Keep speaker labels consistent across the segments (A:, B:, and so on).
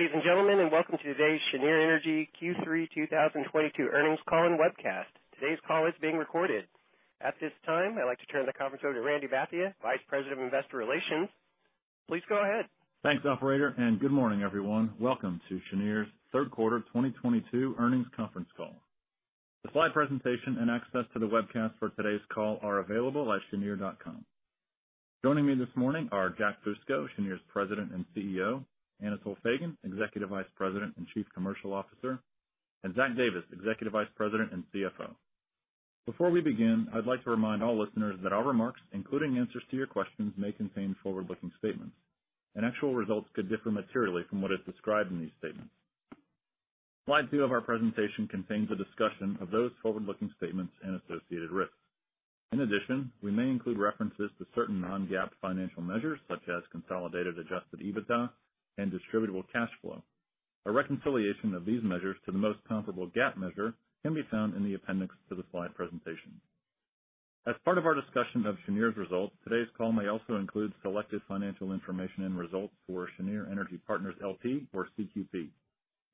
A: Good day, ladies and gentlemen, and welcome to today's Cheniere Energy Q3 2022 Earnings Call and webcast. Today's call is being recorded. At this time, I'd like to turn the conference over to Randy Bhatia, Vice President of Investor Relations. Please go ahead.
B: Thanks, operator, and good morning, everyone. Welcome to Cheniere's Third Quarter 2022 Earnings Conference Call. The slide presentation and access to the webcast for today's call are available at cheniere.com. Joining me this morning are Jack Fusco, Cheniere's President and CEO, Anatol Feygin, Executive Vice President and Chief Commercial Officer, and Zach Davis, Executive Vice President and CFO. Before we begin, I'd like to remind all listeners that our remarks, including answers to your questions, may contain forward-looking statements, and actual results could differ materially from what is described in these statements. Slide two of our presentation contains a discussion of those forward-looking statements and associated risks. In addition, we may include references to certain non-GAAP financial measures such as consolidated adjusted EBITDA and distributable cash flow. A reconciliation of these measures to the most comparable GAAP measure can be found in the appendix to the slide presentation. As part of our discussion of Cheniere's results, today's call may also include selected financial information and results for Cheniere Energy Partners, L.P. or CQP.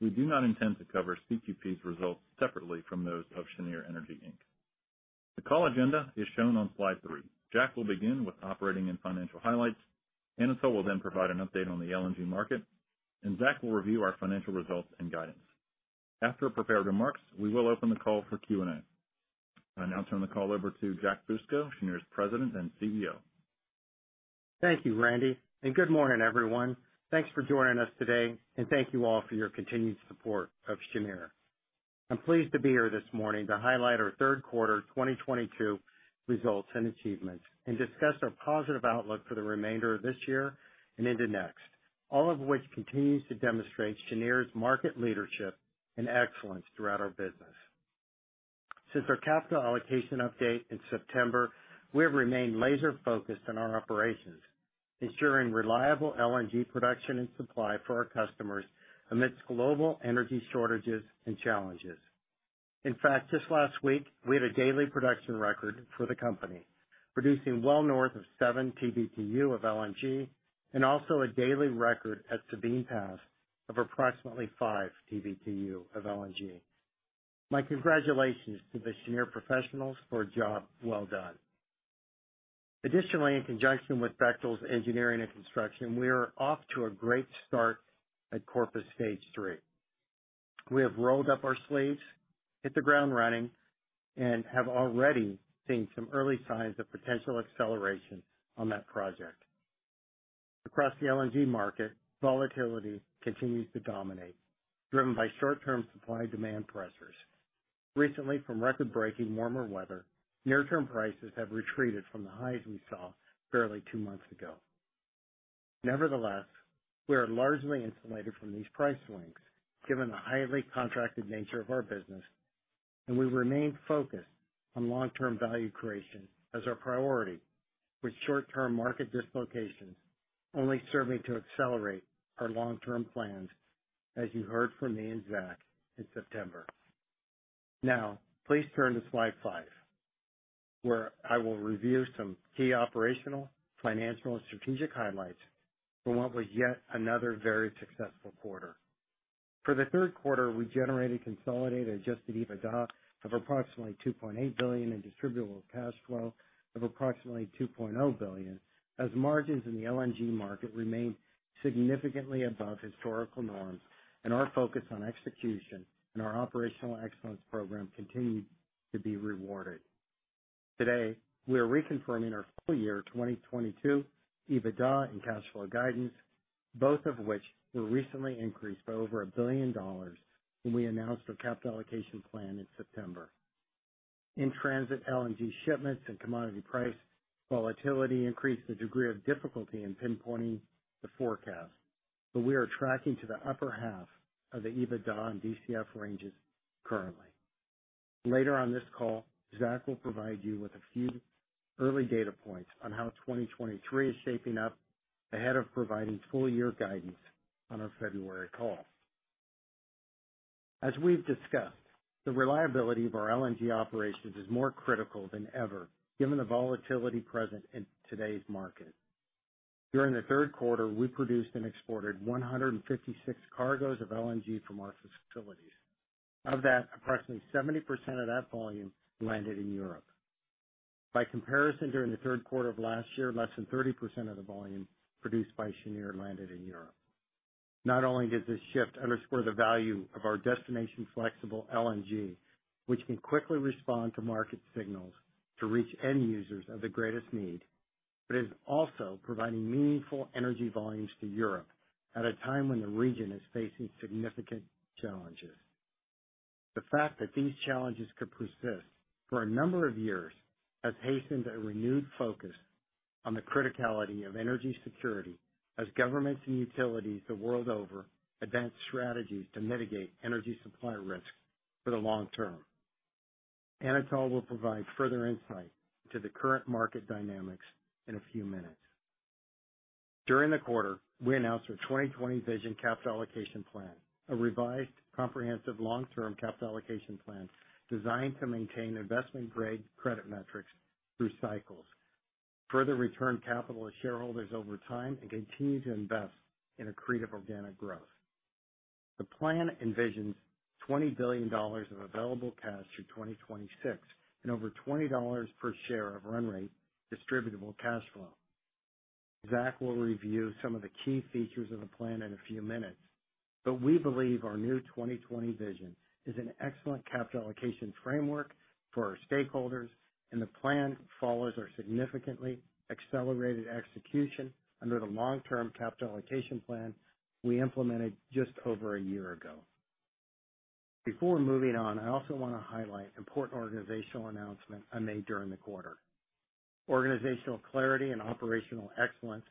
B: We do not intend to cover CQP's results separately from those of Cheniere Energy, Inc. The call agenda is shown on slide three. Jack will begin with operating and financial highlights. Anatol will then provide an update on the LNG market, and Zach will review our financial results and guidance. After prepared remarks, we will open the call for Q&A. I now turn the call over to Jack Fusco, Cheniere's President and CEO.
C: Thank you, Randy, and good morning, everyone. Thanks for joining us today, and thank you all for your continued support of Cheniere. I'm pleased to be here this morning to highlight our third quarter 2022 results and achievements and discuss our positive outlook for the remainder of this year and into next, all of which continues to demonstrate Cheniere's market leadership and excellence throughout our business. Since our capital allocation update in September, we have remained laser-focused on our operations, ensuring reliable LNG production and supply for our customers amidst global energy shortages and challenges. In fact, just last week we had a daily production record for the company, producing well north of 7 TBtu of LNG and also a daily record at Sabine Pass of approximately 5 TBtu of LNG. My congratulations to the Cheniere professionals for a job well done. Additionally, in conjunction with Bechtel's engineering and construction, we are off to a great start at Corpus Christi Stage 3. We have rolled up our sleeves, hit the ground running, and have already seen some early signs of potential acceleration on that project. Across the LNG market, volatility continues to dominate, driven by short-term supply-demand pressures. Recently, due to record-breaking warmer weather, near-term prices have retreated from the highs we saw barely two months ago. Nevertheless, we are largely insulated from these price swings given the highly contracted nature of our business, and we remain focused on long-term value creation as our priority, with short-term market dislocations only serving to accelerate our long-term plans, as you heard from me and Zach in September. Now, please turn to slide 5, where I will review some key operational, financial, and strategic highlights for what was yet another very successful quarter. For the third quarter, we generated consolidated adjusted EBITDA of approximately $2.8 billion and distributable cash flow of approximately $2.0 billion as margins in the LNG market remained significantly above historical norms and our focus on execution and our operational excellence program continued to be rewarded. Today, we are reconfirming our full year 2022 EBITDA and cash flow guidance, both of which were recently increased by over $1 billion when we announced our capital allocation plan in September. In-transit LNG shipments and commodity price volatility increased the degree of difficulty in pinpointing the forecast, but we are tracking to the upper half of the EBITDA and DCF ranges currently. Later on this call, Zach will provide you with a few early data points on how 2023 is shaping up ahead of providing full year guidance on our February call. As we've discussed, the reliability of our LNG operations is more critical than ever given the volatility present in today's market. During the third quarter, we produced and exported 156 cargoes of LNG from our facilities. Of that, approximately 70% of that volume landed in Europe. By comparison, during the third quarter of last year, less than 30% of the volume produced by Cheniere landed in Europe. Not only does this shift underscore the value of our destination flexible LNG, which can quickly respond to market signals to reach end users of the greatest need, but is also providing meaningful energy volumes to Europe at a time when the region is facing significant challenges. The fact that these challenges could persist for a number of years has hastened a renewed focus on the criticality of energy security as governments and utilities the world over advance strategies to mitigate energy supply risk for the long term. Anatol will provide further insight to the current market dynamics in a few minutes. During the quarter, we announced our 20/20 Vision Capital Allocation Plan, a revised comprehensive long-term capital allocation plan designed to maintain investment-grade credit metrics through cycles. Further return capital to shareholders over time and continue to invest in accretive organic growth. The plan envisions $20 billion of available cash through 2026, and over $20 per share of run rate distributable cash flow. Zach will review some of the key features of the plan in a few minutes, but we believe our new 20/20 Vision is an excellent capital allocation framework for our stakeholders, and the plan follows our significantly accelerated execution under the long-term capital allocation plan we implemented just over a year ago. Before moving on, I also wanna highlight important organizational announcement I made during the quarter. Organizational clarity and operational excellence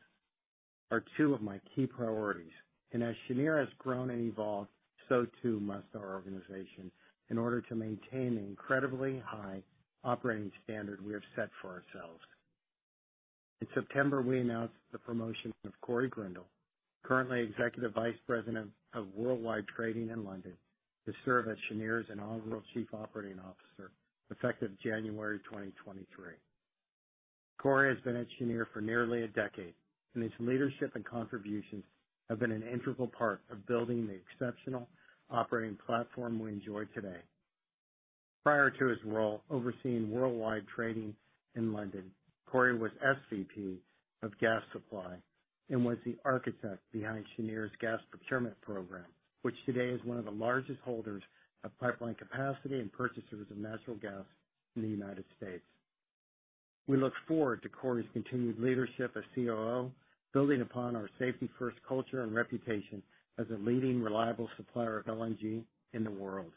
C: are two of my key priorities. As Cheniere has grown and evolved, so too must our organization, in order to maintain the incredibly high operating standard we have set for ourselves. In September, we announced the promotion of Corey Grindal, currently Executive Vice President of Worldwide Trading in London, to serve as Cheniere's inaugural Chief Operating Officer, effective January 2023. Corey has been at Cheniere for nearly a decade, and his leadership and contributions have been an integral part of building the exceptional operating platform we enjoy today. Prior to his role overseeing worldwide trading in London, Corey was SVP of gas supply and was the architect behind Cheniere's gas procurement program, which today is one of the largest holders of pipeline capacity and purchasers of natural gas in the United States. We look forward to Corey's continued leadership as COO, building upon our safety-first culture and reputation as a leading reliable supplier of LNG in the world.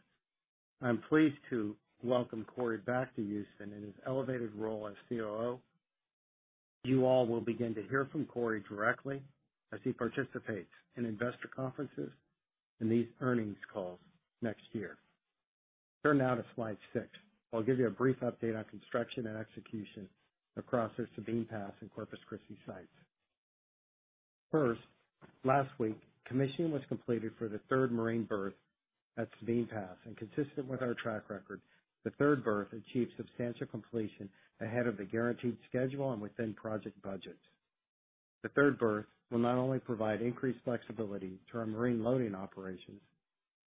C: I'm pleased to welcome Corey back to Houston in his elevated role as COO. You all will begin to hear from Corey directly as he participates in investor conferences and these earnings calls next year. Turn now to slide 6. I'll give you a brief update on construction and execution across our Sabine Pass and Corpus Christi sites. First, last week, commissioning was completed for the third marine berth at Sabine Pass, and consistent with our track record, the third berth achieved substantial completion ahead of the guaranteed schedule and within project budget. The third berth will not only provide increased flexibility to our marine loading operations,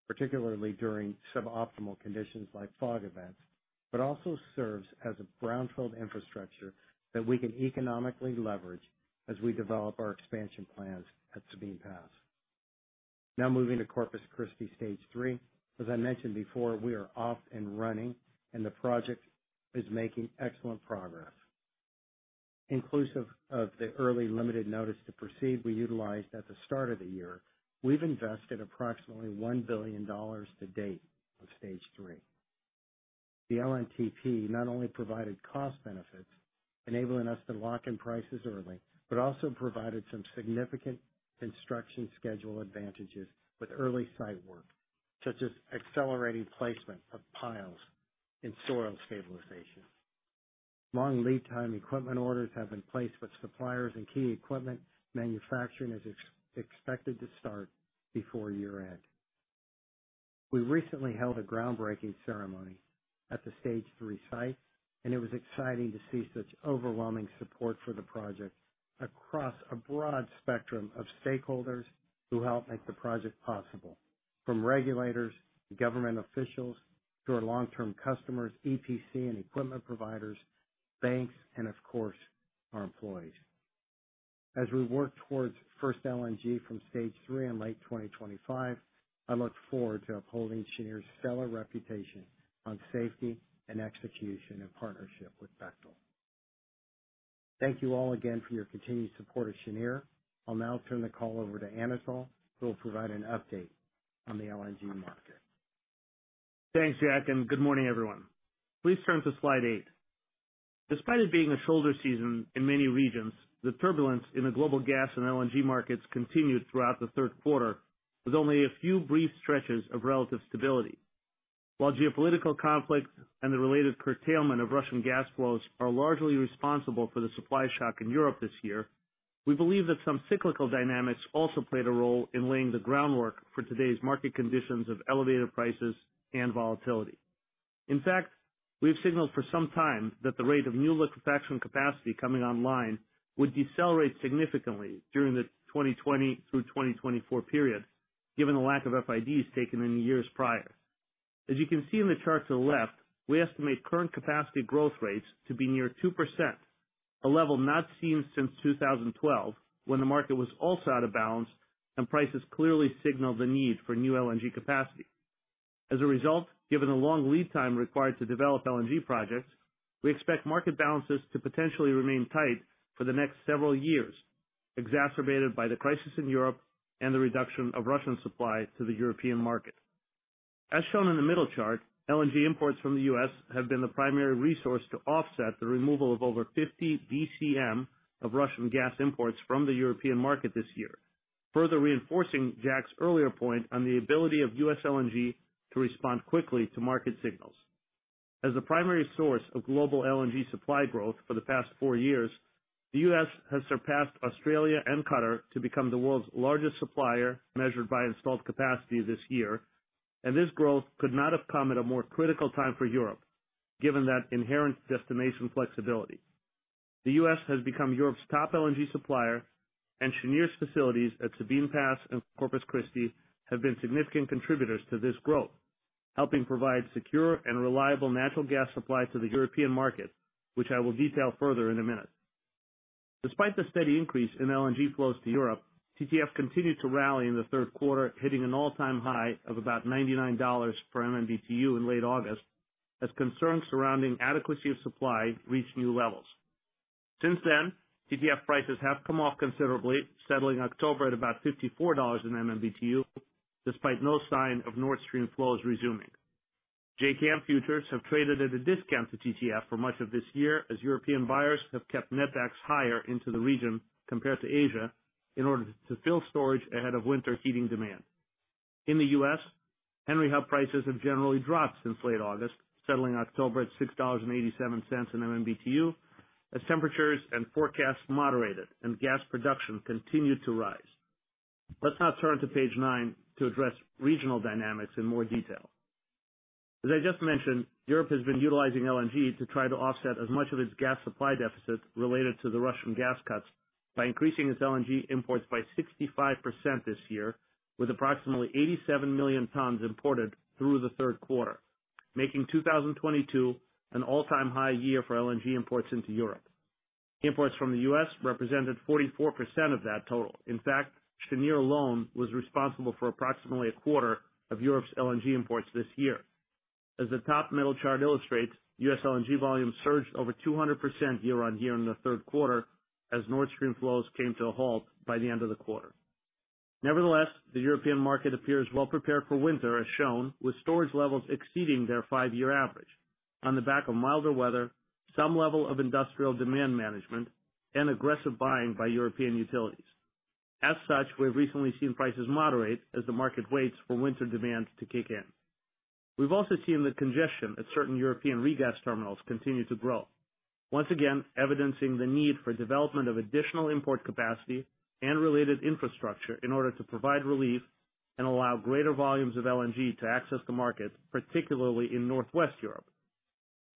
C: particularly during suboptimal conditions like fog events, but also serves as a brownfield infrastructure that we can economically leverage as we develop our expansion plans at Sabine Pass. Now moving to Corpus Christi Stage 3. As I mentioned before, we are off and running, and the project is making excellent progress. Inclusive of the early limited notice to proceed we utilized at the start of the year, we've invested approximately $1 billion to date on Stage 3. The LNTP not only provided cost benefits, enabling us to lock in prices early, but also provided some significant construction schedule advantages with early site work, such as accelerating placement of piles and soil stabilization. Long lead time equipment orders have been placed with suppliers, and key equipment manufacturing is expected to start before year-end. We recently held a groundbreaking ceremony at the Stage 3 site, and it was exciting to see such overwhelming support for the project across a broad spectrum of stakeholders who help make the project possible, from regulators to government officials to our long-term customers, EPC and equipment providers, banks, and of course, our employees. As we work towards first LNG from Stage 3 in late 2025, I look forward to upholding Cheniere's stellar reputation on safety and execution in partnership with Bechtel. Thank you all again for your continued support of Cheniere. I'll now turn the call over to Anatol, who will provide an update on the LNG market.
D: Thanks, Jack, and good morning, everyone. Please turn to slide 8. Despite it being a shoulder season in many regions, the turbulence in the global gas and LNG markets continued throughout the third quarter, with only a few brief stretches of relative stability. While geopolitical conflict and the related curtailment of Russian gas flows are largely responsible for the supply shock in Europe this year, we believe that some cyclical dynamics also played a role in laying the groundwork for today's market conditions of elevated prices and volatility. In fact, we have signaled for some time that the rate of new liquefaction capacity coming online would decelerate significantly during the 2020 through 2024 period, given the lack of FIDs taken in the years prior. As you can see in the chart to the left, we estimate current capacity growth rates to be near 2%, a level not seen since 2012, when the market was also out of balance and prices clearly signaled the need for new LNG capacity. As a result, given the long lead time required to develop LNG projects, we expect market balances to potentially remain tight for the next several years, exacerbated by the crisis in Europe and the reduction of Russian supply to the European market. As shown in the middle chart, LNG imports from the U.S. have been the primary resource to offset the removal of over 50 BCM of Russian gas imports from the European market this year, further reinforcing Jack's earlier point on the ability of U.S. LNG to respond quickly to market signals. As the primary source of global LNG supply growth for the past four years, the U.S. has surpassed Australia and Qatar to become the world's largest supplier measured by installed capacity this year. This growth could not have come at a more critical time for Europe, given that inherent destination flexibility. The U.S. has become Europe's top LNG supplier, and Cheniere's facilities at Sabine Pass and Corpus Christi have been significant contributors to this growth, helping provide secure and reliable natural gas supply to the European market, which I will detail further in a minute. Despite the steady increase in LNG flows to Europe, TTF continued to rally in the third quarter, hitting an all-time high of about $99 per MMBtu in late August, as concerns surrounding adequacy of supply reached new levels. Since then, TTF prices have come off considerably, settling October at about $54/MMBtu, despite no sign of Nord Stream flows resuming. JKM futures have traded at a discount to TTF for much of this year, as European buyers have kept net backs higher into the region compared to Asia in order to fill storage ahead of winter heating demand. In the US, Henry Hub prices have generally dropped since late August, settling October at $6.87/MMBtu, as temperatures and forecasts moderated and gas production continued to rise. Let's now turn to page 9 to address regional dynamics in more detail. As I just mentioned, Europe has been utilizing LNG to try to offset as much of its gas supply deficit related to the Russian gas cuts by increasing its LNG imports by 65% this year, with approximately 87 million tons imported through the third quarter, making 2022 an all-time high year for LNG imports into Europe. Imports from the U.S. represented 44% of that total. In fact, Cheniere alone was responsible for approximately a quarter of Europe's LNG imports this year. As the top middle chart illustrates, U.S. LNG volumes surged over 200% year-on-year in the third quarter, as Nord Stream flows came to a halt by the end of the quarter. Nevertheless, the European market appears well-prepared for winter, as shown, with storage levels exceeding their five-year average on the back of milder weather, some level of industrial demand management, and aggressive buying by European utilities. As such, we've recently seen prices moderate as the market waits for winter demand to kick in. We've also seen the congestion at certain European regas terminals continue to grow, once again, evidencing the need for development of additional import capacity and related infrastructure in order to provide relief and allow greater volumes of LNG to access the market, particularly in Northwest Europe.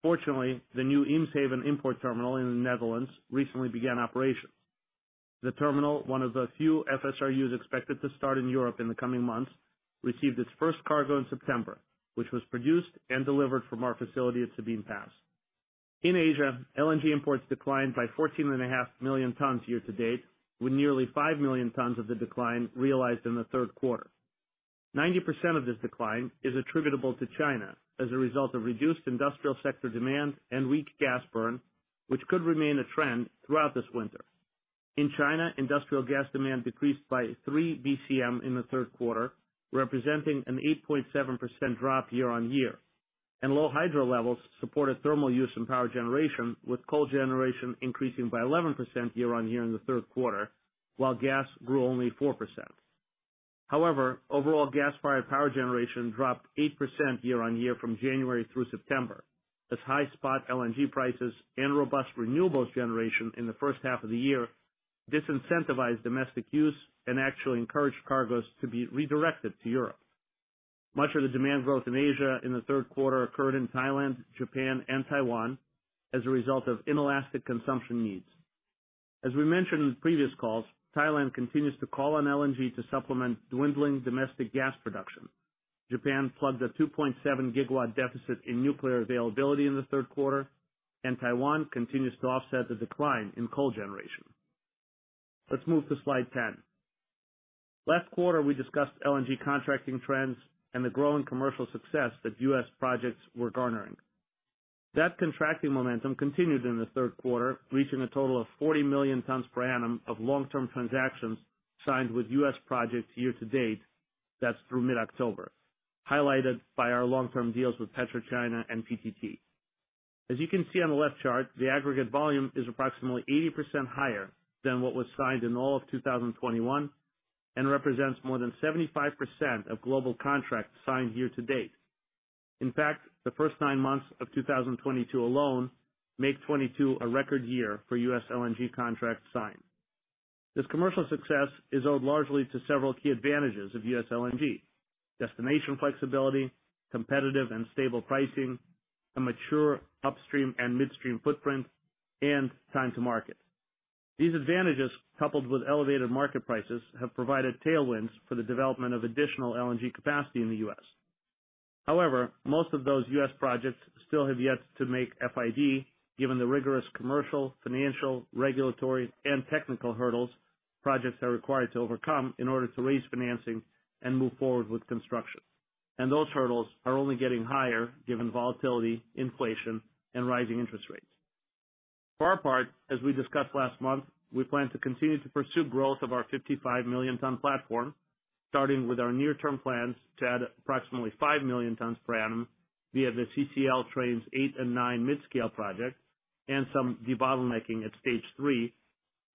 D: Fortunately, the new Eemshaven import terminal in the Netherlands recently began operations. The terminal, one of the few FSRUs expected to start in Europe in the coming months, received its first cargo in September, which was produced and delivered from our facility at Sabine Pass. In Asia, LNG imports declined by 14.5 million tons year-to-date, with nearly 5 million tons of the decline realized in the third quarter. 90% of this decline is attributable to China as a result of reduced industrial sector demand and weak gas burn, which could remain a trend throughout this winter. In China, industrial gas demand decreased by 3 BCM in the third quarter, representing an 8.7% drop year-on-year. Low hydro levels supported thermal use in power generation, with coal generation increasing by 11% year-on-year in the third quarter, while gas grew only 4%. However, overall gas-fired power generation dropped 8% year-on-year from January through September, as high spot LNG prices and robust renewables generation in the first half of the year disincentivized domestic use and actually encouraged cargoes to be redirected to Europe. Much of the demand growth in Asia in the third quarter occurred in Thailand, Japan, and Taiwan as a result of inelastic consumption needs. As we mentioned in previous calls, Thailand continues to call on LNG to supplement dwindling domestic gas production. Japan plugged a 2.7 GW deficit in nuclear availability in the third quarter, and Taiwan continues to offset the decline in coal generation. Let's move to slide 10. Last quarter, we discussed LNG contracting trends and the growing commercial success that US projects were garnering. That contracting momentum continued in the third quarter, reaching a total of 40 million tons per annum of long-term transactions signed with US projects year-to-date. That's through mid-October, highlighted by our long-term deals with PetroChina and PTT. As you can see on the left chart, the aggregate volume is approximately 80% higher than what was signed in all of 2021, and represents more than 75% of global contracts signed year-to-date. In fact, the first nine months of 2022 alone make 2022 a record year for U.S. LNG contracts signed. This commercial success is owed largely to several key advantages of U.S. LNG, destination flexibility, competitive and stable pricing, a mature upstream and midstream footprint, and time to market. These advantages, coupled with elevated market prices, have provided tailwinds for the development of additional LNG capacity in the U.S. However, most of those U.S. projects still have yet to make FID, given the rigorous commercial, financial, regulatory, and technical hurdles projects are required to overcome in order to raise financing and move forward with construction. Those hurdles are only getting higher given volatility, inflation, and rising interest rates. For our part, as we discussed last month, we plan to continue to pursue growth of our 55 million ton platform, starting with our near-term plans to add approximately 5 million tons per annum via the CCL Trains 8 and 9 mid-scale project and some debottlenecking at Stage 3,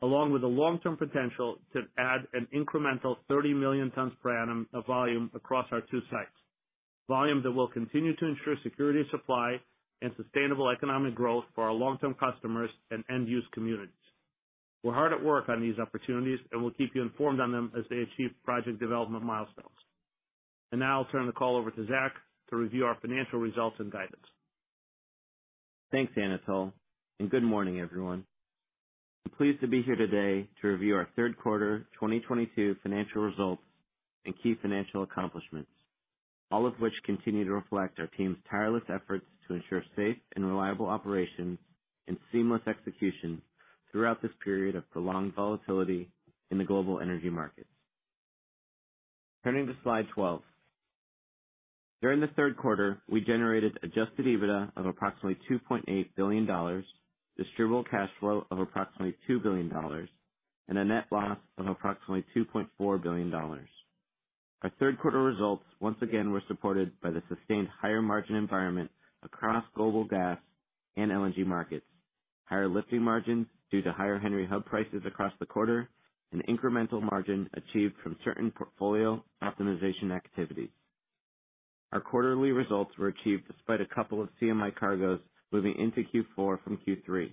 D: along with the long-term potential to add an incremental 30 million tons per annum of volume across our two sites. Volume that will continue to ensure security of supply and sustainable economic growth for our long-term customers and end-use communities. We're hard at work on these opportunities, and we'll keep you informed on them as they achieve project development milestones. Now I'll turn the call over to Zach to review our financial results and guidance.
E: Thanks, Anatol, and good morning, everyone. I'm pleased to be here today to review our third quarter 2022 financial results and key financial accomplishments, all of which continue to reflect our team's tireless efforts to ensure safe and reliable operations and seamless execution throughout this period of prolonged volatility in the global energy markets. Turning to slide 12. During the third quarter, we generated adjusted EBITDA of approximately $2.8 billion, distributable cash flow of approximately $2 billion, and a net loss of approximately $2.4 billion. Our third quarter results once again were supported by the sustained higher-margin environment across global gas and LNG markets, higher lifting margins due to higher Henry Hub prices across the quarter, and incremental margin achieved from certain portfolio optimization activities. Our quarterly results were achieved despite a couple of CMI cargoes moving into Q4 from Q3.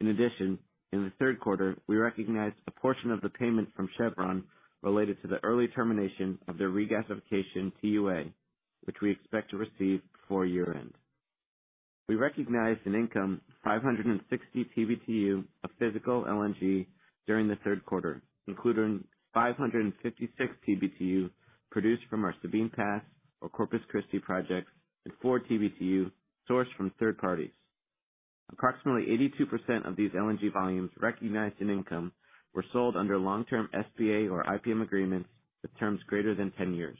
E: In addition, in the third quarter, we recognized a portion of the payment from Chevron related to the early termination of their regasification TUA, which we expect to receive before year-end. We recognized income from 560 TBtu of physical LNG during the third quarter, including 556 TBtu produced from our Sabine Pass and Corpus Christi projects, and 4 TBtu sourced from third parties. Approximately 82% of these LNG volumes recognized in income were sold under long-term SPA or IPM agreements with terms greater than 10 years.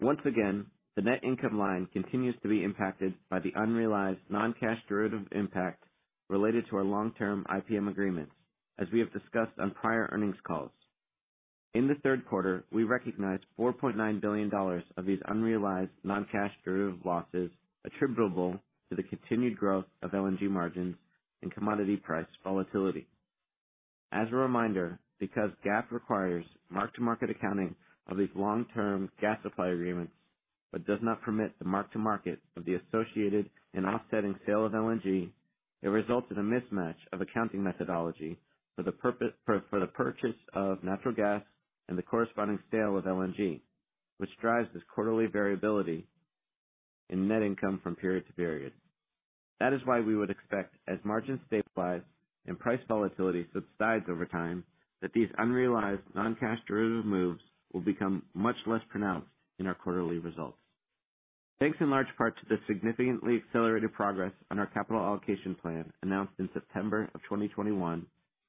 E: Once again, the net income line continues to be impacted by the unrealized non-cash derivative impact related to our long-term IPM agreements, as we have discussed on prior earnings calls. In the third quarter, we recognized $4.9 billion of these unrealized non-cash derivative losses attributable to the continued growth of LNG margins and commodity price volatility. As a reminder, because GAAP requires mark-to-market accounting of these long-term gas supply agreements, but does not permit the mark-to-market of the associated and offsetting sale of LNG, it results in a mismatch of accounting methodology for the purchase of natural gas and the corresponding sale of LNG, which drives this quarterly variability in net income from period to period. That is why we would expect, as margins stabilize and price volatility subsides over time, that these unrealized non-cash derivative moves will become much less pronounced in our quarterly results. Thanks in large part to the significantly accelerated progress on our capital allocation plan announced in September of 2021,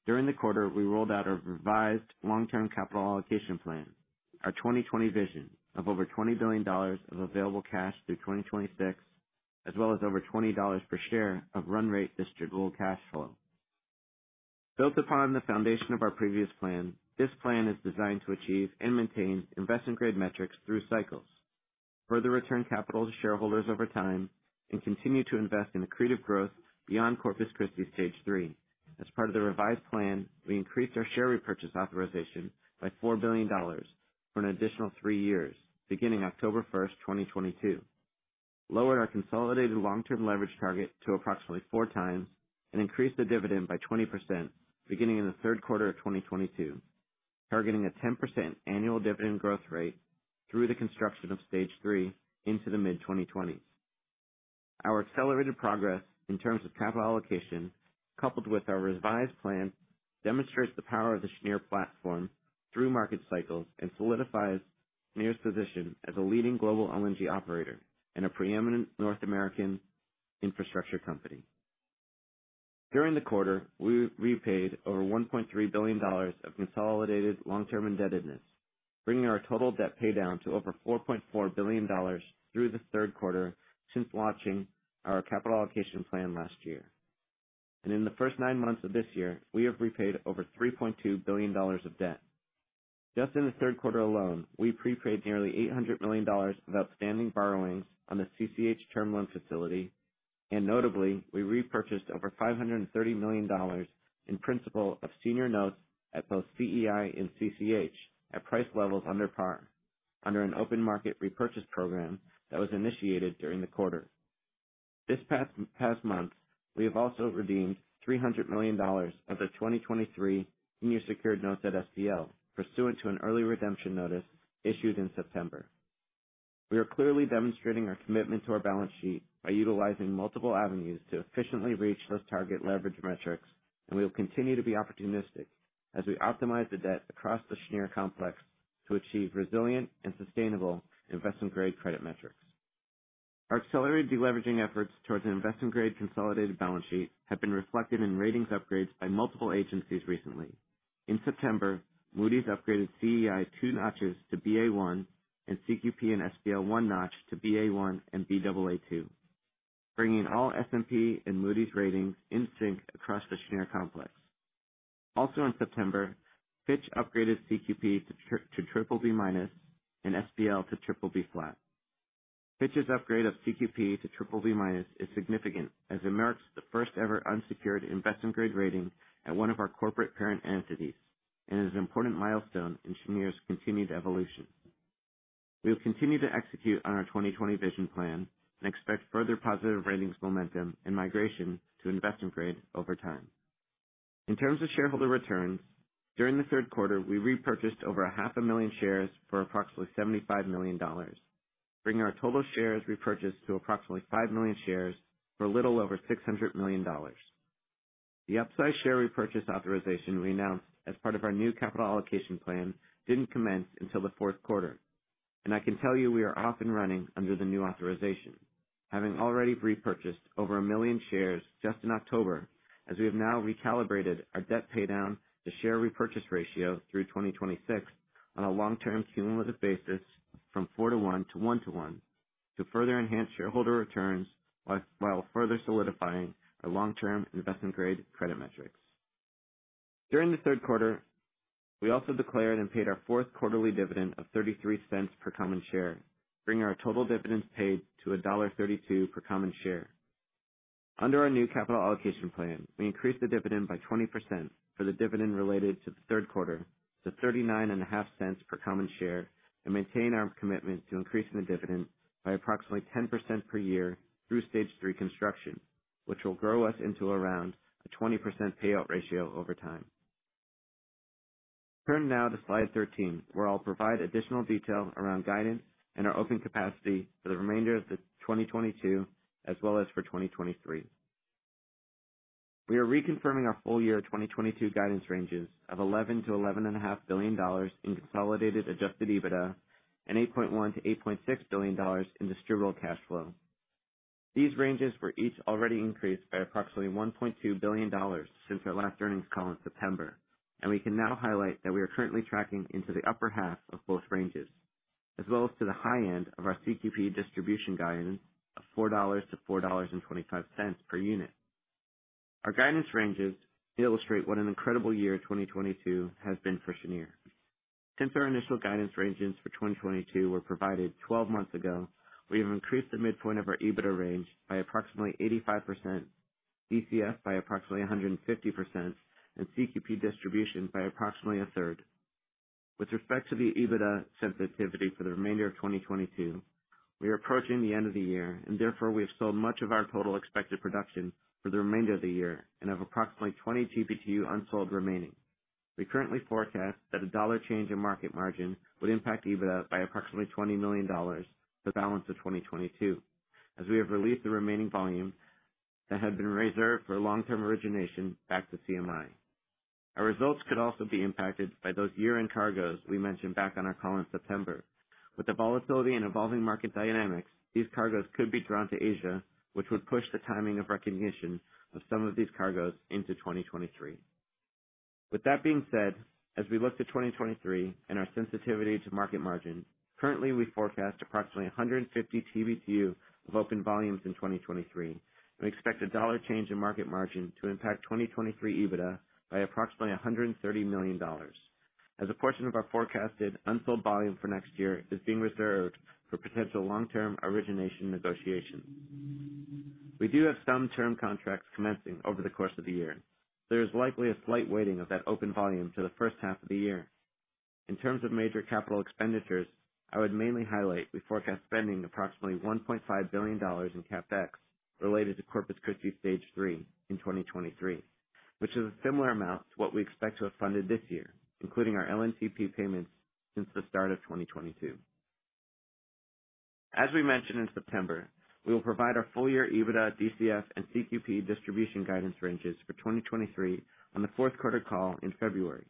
E: during the quarter, we rolled out our revised long-term capital allocation plan, our 20/20 Vision of over $20 billion of available cash through 2026, as well as over $20 per share of run rate distributable cash flow. Built upon the foundation of our previous plan, this plan is designed to achieve and maintain investment-grade metrics through cycles, further return capital to shareholders over time, and continue to invest in accretive growth beyond Corpus Christi Stage 3. As part of the revised plan, we increased our share repurchase authorization by $4 billion for an additional 3 years beginning October 1, 2022, lowered our consolidated long-term leverage target to approximately 4x, and increased the dividend by 20% beginning in the third quarter of 2022, targeting a 10% annual dividend growth rate through the construction of Stage 3 into the mid-2020s. Our accelerated progress in terms of capital allocation, coupled with our revised plan, demonstrates the power of the Cheniere platform through market cycles and solidifies Cheniere's position as a leading global LNG operator and a preeminent North American infrastructure company. During the quarter, we repaid over $1.3 billion of consolidated long-term indebtedness, bringing our total debt paydown to over $4.4 billion through the third quarter since launching our capital allocation plan last year. In the first nine months of this year, we have repaid over $3.2 billion of debt. Just in the third quarter alone, we prepaid nearly $800 million of outstanding borrowings on the CCH term loan facility, and notably, we repurchased over $530 million in principal of senior notes at both CEI and CCH at price levels under par under an open market repurchase program that was initiated during the quarter. This past month, we have also redeemed $300 million of the 2023 senior secured notes at SPL pursuant to an early redemption notice issued in September. We are clearly demonstrating our commitment to our balance sheet by utilizing multiple avenues to efficiently reach those target leverage metrics, and we will continue to be opportunistic as we optimize the debt across the Cheniere complex to achieve resilient and sustainable investment-grade credit metrics. Our accelerated deleveraging efforts towards an investment-grade consolidated balance sheet have been reflected in ratings upgrades by multiple agencies recently. In September, Moody's upgraded CEI two notches to Ba1 and CQP and SPL one notch to Ba1 and Ba2, bringing all S&P and Moody's ratings in sync across the Cheniere complex. Also in September, Fitch upgraded CQP to BBB- and SPL to BBB flat. Fitch's upgrade of CQP to BBB- is significant as it marks the first ever unsecured investment-grade rating at one of our corporate parent entities and is an important milestone in Cheniere's continued evolution. We'll continue to execute on our 20/20 Vision plan and expect further positive ratings momentum and migration to investment grade over time. In terms of shareholder returns, during the third quarter, we repurchased over 500,000 shares for approximately $75 million, bringing our total shares repurchased to approximately 5 million shares for a little over $600 million. The upside share repurchase authorization we announced as part of our new capital allocation plan didn't commence until the fourth quarter, and I can tell you we are off and running under the new authorization, having already repurchased over 1 million shares just in October, as we have now recalibrated our debt paydown to share repurchase ratio through 2026 on a long-term cumulative basis from 4-to-1 to 1-to-1, to further enhance shareholder returns while further solidifying our long-term investment grade credit metrics. During the third quarter, we also declared and paid our fourth quarterly dividend of $0.33 per common share, bringing our total dividends paid to $1.32 per common share. Under our new capital allocation plan, we increased the dividend by 20% for the dividend related to the third quarter to $0.395 per common share, and maintain our commitment to increasing the dividend by approximately 10% per year through Stage 3 construction, which will grow us into around a 20% payout ratio over time. Turn now to slide 13, where I'll provide additional detail around guidance and our open capacity for the remainder of 2022 as well as for 2023. We are reconfirming our full year 2022 guidance ranges of $11 billion-$11.5 billion in consolidated adjusted EBITDA and $8.1 billion-$8.6 billion in distributable cash flow. These ranges were each already increased by approximately $1.2 billion since our last earnings call in September, and we can now highlight that we are currently tracking into the upper half of both ranges, as well as to the high end of our CQP distribution guidance of $4-$4.25 per unit. Our guidance ranges illustrate what an incredible year 2022 has been for Cheniere. Since our initial guidance ranges for 2022 were provided twelve months ago, we have increased the midpoint of our EBITDA range by approximately 85%, DCF by approximately 150%, and CQP distribution by approximately a third. With respect to the EBITDA sensitivity for the remainder of 2022, we are approaching the end of the year and therefore we have sold much of our total expected production for the remainder of the year and have approximately 20 TBtu unsold remaining. We currently forecast that a $1 change in market margin would impact EBITDA by approximately $20 million for the balance of 2022, as we have released the remaining volume that had been reserved for long-term origination back to CMI. Our results could also be impacted by those year-end cargoes we mentioned back on our call in September. With the volatility and evolving market dynamics, these cargoes could be drawn to Asia, which would push the timing of recognition of some of these cargoes into 2023. With that being said, as we look to 2023 and our sensitivity to market margin, currently we forecast approximately 150 TBtu of open volumes in 2023, and we expect a $1 change in market margin to impact 2023 EBITDA by approximately $130 million as a portion of our forecasted unsold volume for next year is being reserved for potential long-term origination negotiations. We do have some term contracts commencing over the course of the year. There is likely a slight weighting of that open volume to the first half of the year. In terms of major capital expenditures, I would mainly highlight we forecast spending approximately $1.5 billion in CapEx related to Corpus Christi Stage 3 in 2023, which is a similar amount to what we expect to have funded this year, including our LNTP payments since the start of 2022. We mentioned in September we will provide our full-year EBITDA, DCF, and CQP distribution guidance ranges for 2023 on the fourth quarter call in February.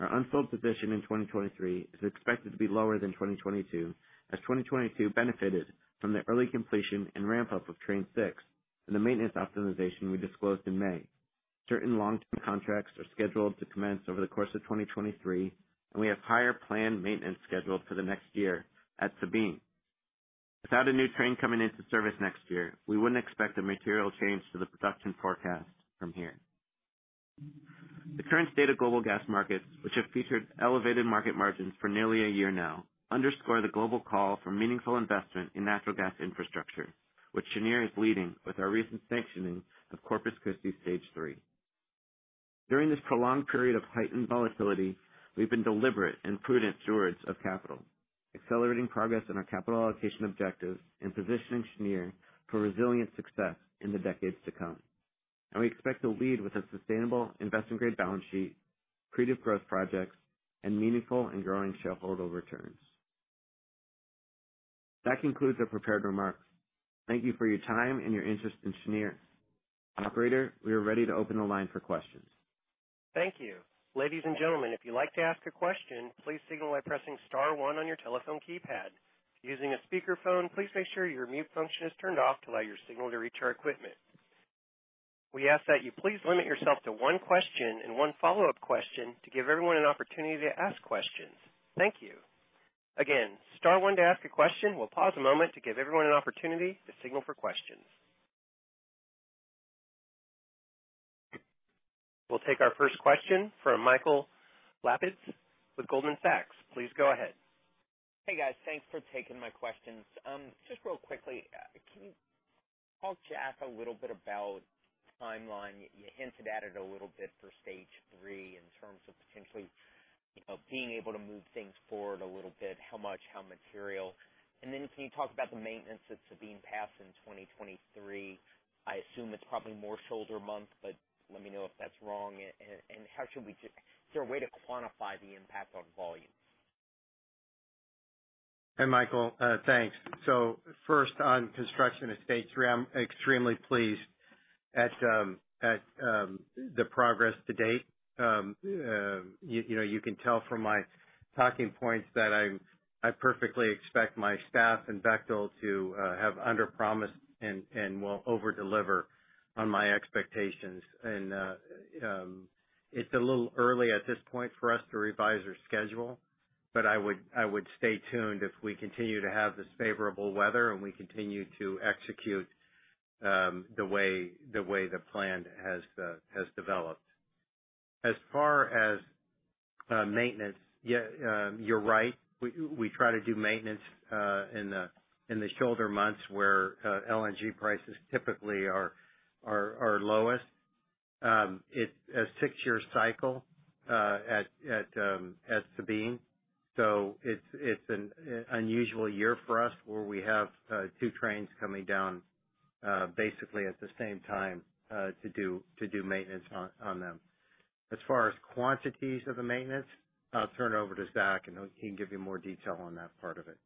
E: Our unsold position in 2023 is expected to be lower than 2022, as 2022 benefited from the early completion and ramp-up of train six and the maintenance optimization we disclosed in May. Certain long-term contracts are scheduled to commence over the course of 2023, and we have higher planned maintenance scheduled for the next year at Sabine. Without a new train coming into service next year, we wouldn't expect a material change to the production forecast from here. The current state of global gas markets, which have featured elevated market margins for nearly a year now, underscore the global call for meaningful investment in natural gas infrastructure, which Cheniere is leading with our recent sanctioning of Corpus Christi Stage 3. During this prolonged period of heightened volatility, we've been deliberate and prudent stewards of capital, accelerating progress on our capital allocation objectives and positioning Cheniere for resilient success in the decades to come. We expect to lead with a sustainable investment-grade balance sheet, accretive growth projects, and meaningful and growing shareholder returns. That concludes our prepared remarks. Thank you for your time and your interest in Cheniere. Operator, we are ready to open the line for questions.
A: Thank you. Ladies and gentlemen, if you'd like to ask a question, please signal by pressing star one on your telephone keypad. If you're using a speakerphone, please make sure your mute function is turned off to allow your signal to reach our equipment. We ask that you please limit yourself to one question and one follow-up question to give everyone an opportunity to ask questions. Thank you. Again, star one to ask a question. We'll pause a moment to give everyone an opportunity to signal for questions. We'll take our first question from Michael Lapides with Goldman Sachs. Please go ahead.
F: Hey, guys. Thanks for taking my questions. Just real quickly, can you? I'll chat a little bit about timeline. You hinted at it a little bit for Stage 3 in terms of potentially, you know, being able to move things forward a little bit. How much, how material? And then can you talk about the maintenance that's being planned in 2023? I assume it's probably more shoulder month, but let me know if that's wrong. Is there a way to quantify the impact on volume?
C: Hey, Michael, thanks. First on construction of Stage 3, I'm extremely pleased at the progress to date. You know, you can tell from my talking points that I perfectly expect my staff and Bechtel to have underpromise and will overdeliver on my expectations. It's a little early at this point for us to revise our schedule, but I would stay tuned if we continue to have this favorable weather and we continue to execute the way the plan has developed. As far as maintenance, yeah, you're right. We try to do maintenance in the shoulder months where LNG prices typically are lowest. It's a six-year cycle at Sabine. It's an unusual year for us, where we have two trains coming down basically at the same time to do maintenance on them. As far as quantities of the maintenance, I'll turn it over to Zach, and he'll give you more detail on that part of it.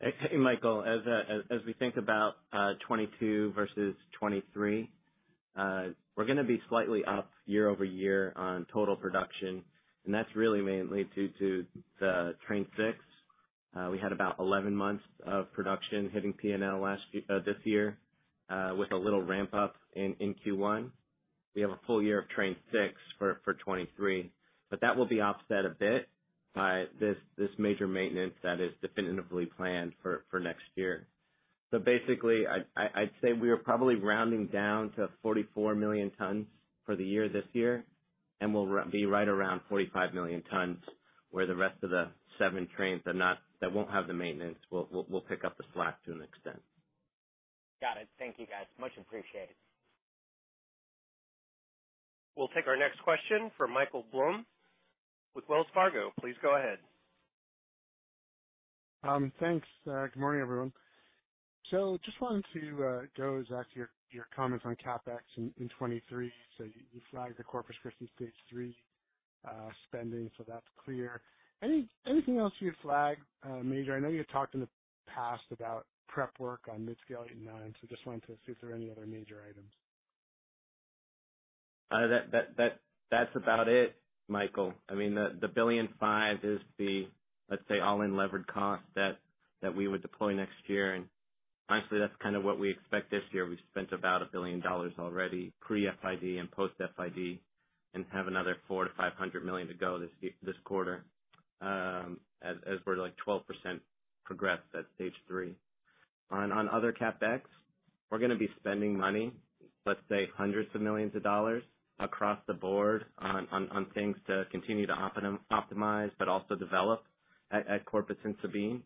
E: Hey, Michael, as we think about 2022 versus 2023, we're gonna be slightly up year-over-year on total production, and that's really mainly due to the train six. We had about 11 months of production hitting P&L last year, this year, with a little ramp-up in Q1. We have a full year of train six for 2023, but that will be offset a bit by this major maintenance that is definitively planned for next year. Basically, I'd say we are probably rounding down to 44 million tons for the year this year, and we'll be right around 45 million tons, where the rest of the seven trains that won't have the maintenance will pick up the slack to an extent.
F: Got it. Thank you, guys. Much appreciated.
A: We'll take our next question from Michael Blum with Wells Fargo. Please go ahead.
G: Thanks. Good morning, everyone. Just wanted to go, Zach, to your comments on CapEx in 2023. You flagged the Corpus Christi Stage 3 spending, so that's clear. Anything else you'd flag major? I know you had talked in the past about prep work on Midscale 8 and 9. Just wanted to see if there are any other major items.
E: That's about it, Michael. I mean, the $1.5 billion is the, let's say, all-in levered cost that we would deploy next year. Frankly, that's kind of what we expect this year. We've spent about $1 billion already pre-FID and post-FID, and have another $400 million-$500 million to go this quarter, as we're like 12% progressed at Stage 3. On other CapEx, we're gonna be spending money, let's say hundreds of millions of dollars across the board on things to continue to optimize but also develop at Corpus and Sabine.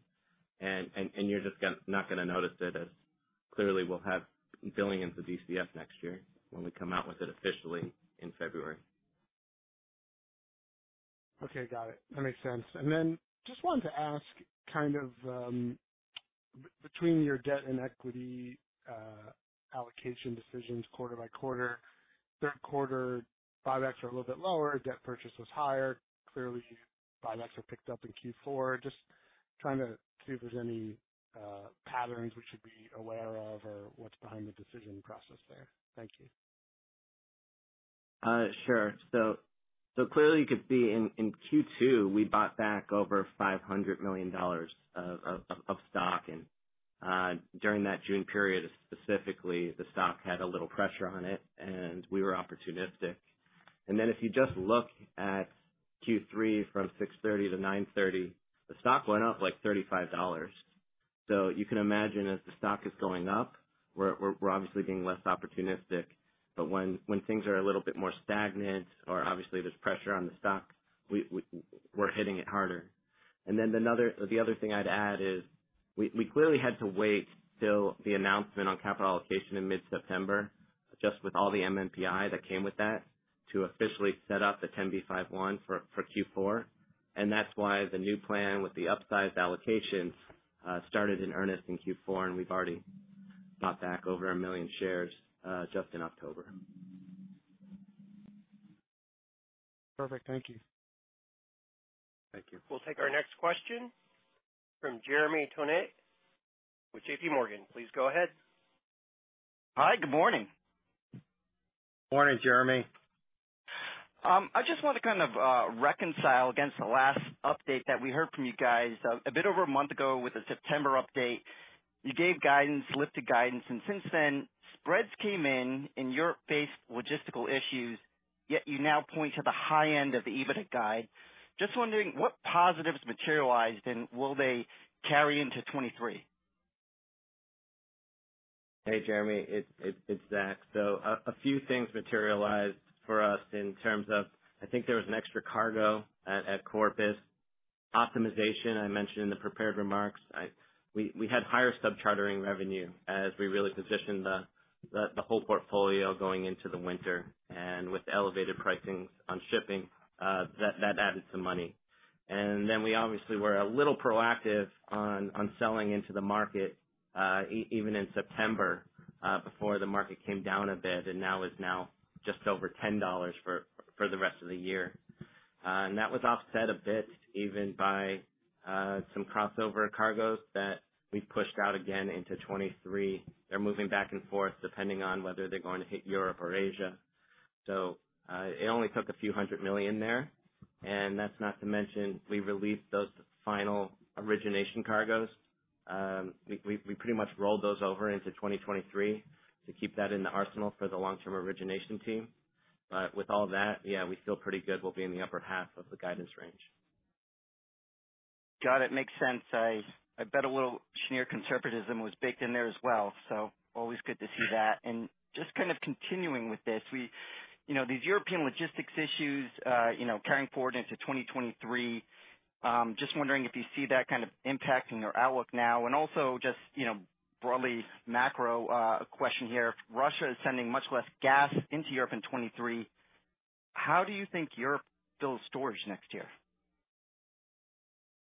E: You're just not gonna notice it as clearly we'll have billing into DCF next year when we come out with it officially in February.
G: Okay, got it. That makes sense. Then just wanted to ask kind of, between your debt and equity, allocation decisions quarter by quarter, third quarter buybacks are a little bit lower. Debt purchase was higher. Clearly, buybacks are picked up in Q4. Just trying to see if there's any, patterns we should be aware of or what's behind the decision process there. Thank you.
E: Sure. Clearly you could see in Q2, we bought back over $500 million of stock. During that June period, specifically, the stock had a little pressure on it, and we were opportunistic. If you just look at Q3 from 6/30 to 9/30, the stock went up, like, $35. You can imagine as the stock is going up, we're obviously being less opportunistic. But when things are a little bit more stagnant or obviously there's pressure on the stock, we're hitting it harder. The other thing I'd add is we clearly had to wait till the announcement on capital allocation in mid-September, just with all the MNPI that came with that, to officially set up the 10b5-1 for Q4. That's why the new plan with the upsized allocations started in earnest in Q4, and we've already bought back over 1 million shares just in October.
G: Perfect. Thank you.
C: Thank you.
A: We'll take our next question from Jeremy Tonet with J.P. Morgan. Please go ahead.
H: Hi. Good morning.
C: Morning, Jeremy.
H: I just want to kind of reconcile against the last update that we heard from you guys a bit over a month ago with the September update. You gave guidance, lifted guidance, and since then, spreads came in and you're faced logistical issues, yet you now point to the high end of the EBIT guide. Just wondering what positives materialized, and will they carry into 2023?
E: Hey, Jeremy, it's Zach. A few things materialized for us in terms of I think there was an extra cargo at Corpus Christi, I mentioned in the prepared remarks. We had higher sub-chartering revenue as we really positioned the whole portfolio going into the winter and with elevated pricing on shipping, that added some money. Then we obviously were a little proactive on selling into the market, even in September, before the market came down a bit and now is just over $10 for the rest of the year. That was offset a bit even by some crossover cargoes that we pushed out again into 2023. They're moving back and forth, depending on whether they're going to hit Europe or Asia. It only took $ a few hundred million there, and that's not to mention we released those final origination cargoes. We pretty much rolled those over into 2023 to keep that in the arsenal for the long-term origination team. With all that, yeah, we feel pretty good we'll be in the upper half of the guidance range.
H: Got it. Makes sense. I bet a little inherent conservatism was baked in there as well, so always good to see that. Just kind of continuing with this, you know, these European logistics issues, you know, carrying forward into 2023, just wondering if you see that kind of impact in your outlook now. Also just, you know, broadly macro, question here. If Russia is sending much less gas into Europe in 2023, how do you think Europe fills storage next year?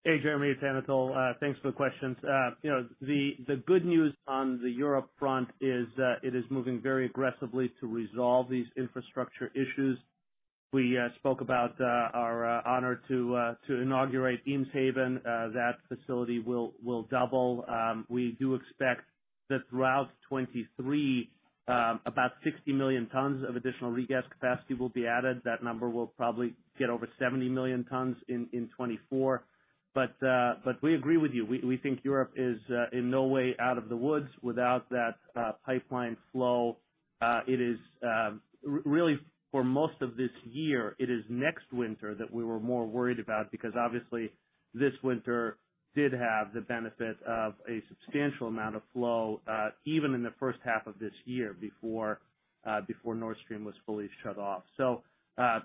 D: Hey, Jeremy, it's Anatol. Thanks for the questions. You know, the good news on the Europe front is, it is moving very aggressively to resolve these infrastructure issues. We spoke about our honor to inaugurate Eemshaven. That facility will double. We do expect that throughout 2023, about 60 million tons of additional regas capacity will be added. That number will probably get over 70 million tons in 2024. But we agree with you. We think Europe is in no way out of the woods without that pipeline flow. It is really for most of this year. It is next winter that we were more worried about because obviously this winter did have the benefit of a substantial amount of flow even in the first half of this year before Nord Stream was fully shut off.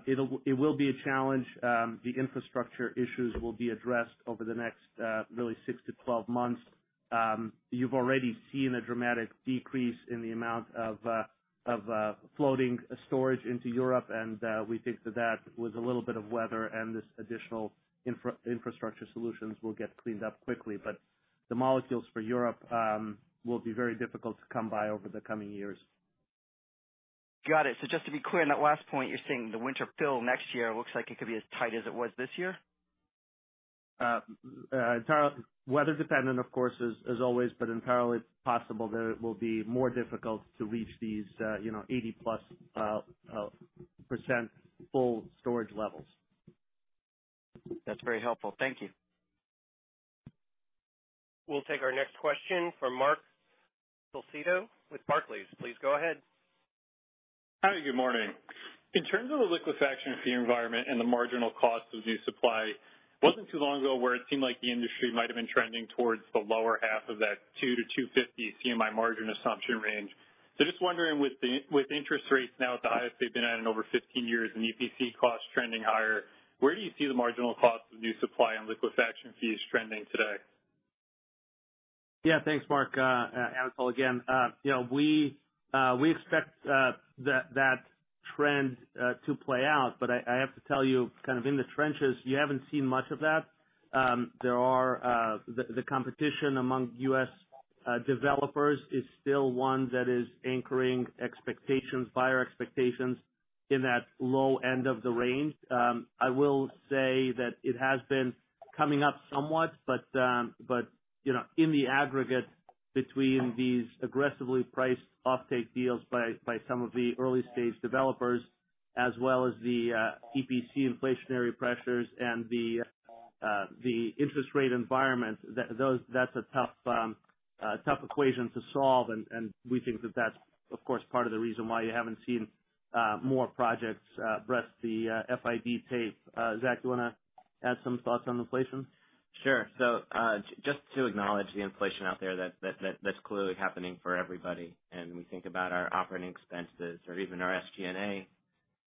D: It will be a challenge. The infrastructure issues will be addressed over the next really 6-12 months. You've already seen a dramatic decrease in the amount of floating storage into Europe, and we think that with a little bit of weather and this additional infrastructure solutions will get cleaned up quickly. The molecules for Europe will be very difficult to come by over the coming years.
H: Got it. Just to be clear, on that last point, you're saying the winter fill next year looks like it could be as tight as it was this year?
D: Entirely weather dependent, of course, as always, but entirely possible that it will be more difficult to reach these, you know, 80+% full storage levels.
H: That's very helpful. Thank you.
A: We'll take our next question from Marc Solecitto with Barclays. Please go ahead.
I: Hi, good morning. In terms of the liquefaction fee environment and the marginal cost of new supply, it wasn't too long ago where it seemed like the industry might have been trending towards the lower half of that 2 to 2.50 CMI margin assumption range. Just wondering, with interest rates now at the highest they've been at in over 15 years and EPC costs trending higher, where do you see the marginal cost of new supply and liquefaction fees trending today?
D: Yeah. Thanks, Marc. Anatol again. You know, we expect that trend to play out, but I have to tell you, kind of in the trenches, you haven't seen much of that. There are the competition among U.S. developers is still one that is anchoring expectations, buyer expectations in that low end of the range. I will say that it has been coming up somewhat, but you know, in the aggregate between these aggressively priced offtake deals by some of the early-stage developers, as well as the EPC inflationary pressures and the interest rate environment, that's a tough equation to solve. We think that that's, of course, part of the reason why you haven't seen more projects breach the FID tape. Zach, do you wanna add some thoughts on inflation?
E: Sure. Just to acknowledge the inflation out there, that's clearly happening for everybody, and we think about our operating expenses or even our SG&A.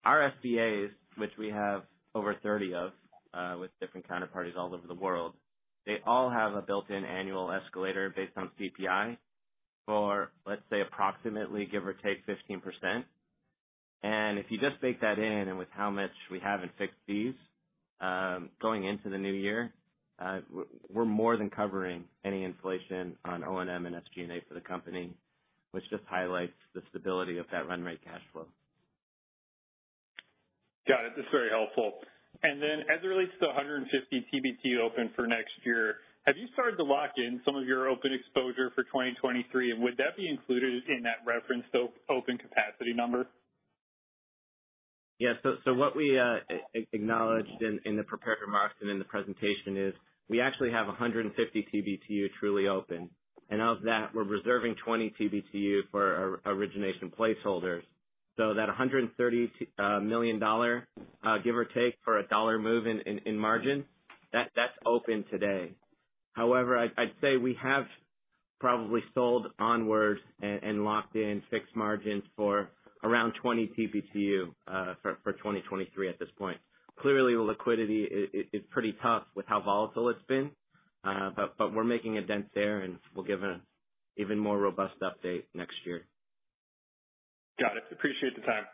E: Our SPAs, which we have over 30 of, with different counterparties all over the world, they all have a built-in annual escalator based on CPI for, let's say approximately, give or take, 15%. If you just bake that in and with how much we have in fixed fees, going into the new year, we're more than covering any inflation on O&M and SG&A for the company, which just highlights the stability of that run rate cash flow.
I: Got it. That's very helpful. As it relates to the 150 TBtu open for next year, have you started to lock in some of your open exposure for 2023? Would that be included in that referenced open capacity number?
E: Yeah. So what we acknowledged in the prepared remarks and in the presentation is we actually have 150 TBtu truly open. Of that, we're reserving 20 TBtu for our origination placeholders. That $130 million, give or take for a $1 move in margin, that's open today. However, I'd say we have Probably sold onwards and locked in fixed margins for around 20 TBtu for 2023 at this point. Clearly, liquidity is pretty tough with how volatile it's been. We're making a dent there, and we'll give an even more robust update next year.
I: Got it. Appreciate the time.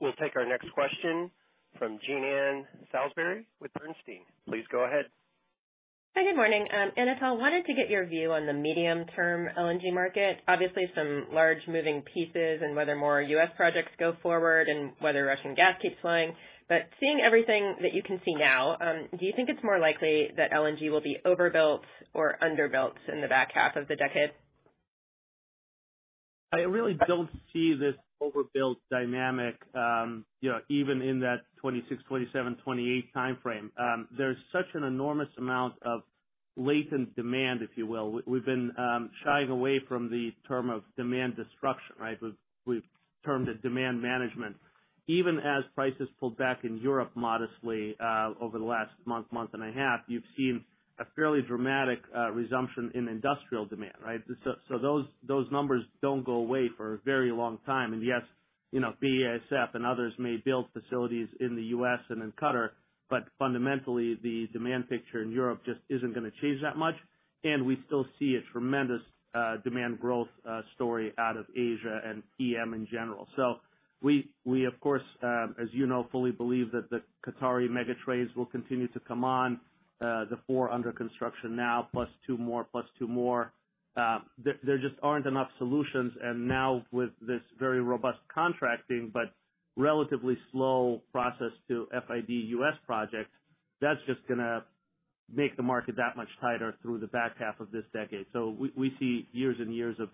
A: We'll take our next question from Jean Ann Salisbury with Bernstein. Please go ahead.
J: Hi, good morning. Anatol wanted to get your view on the medium-term LNG market, obviously some large moving pieces and whether more U.S. projects go forward and whether Russian gas keeps flowing. Seeing everything that you can see now, do you think it's more likely that LNG will be overbuilt or underbuilt in the back half of the decade?
D: I really don't see this overbuilt dynamic, you know, even in that 2026, 2027, 2028 timeframe. There's such an enormous amount of latent demand, if you will. We've been shying away from the term of demand destruction, right? We've termed it demand management. Even as prices pulled back in Europe modestly over the last month and a half, you've seen a fairly dramatic resumption in industrial demand, right? So those numbers don't go away for a very long time. Yes, you know, BASF and others may build facilities in the U.S. and in Qatar, but fundamentally, the demand picture in Europe just isn't gonna change that much. We still see a tremendous demand growth story out of Asia and EM in general. We of course, as you know, fully believe that the Qatari mega trains will continue to come on. The four under construction now, +2 more, +2 more. There just aren't enough solutions. Now with this very robust contracting but relatively slow process to FID U.S. projects, that's just gonna make the market that much tighter through the back half of this decade. We see years and years of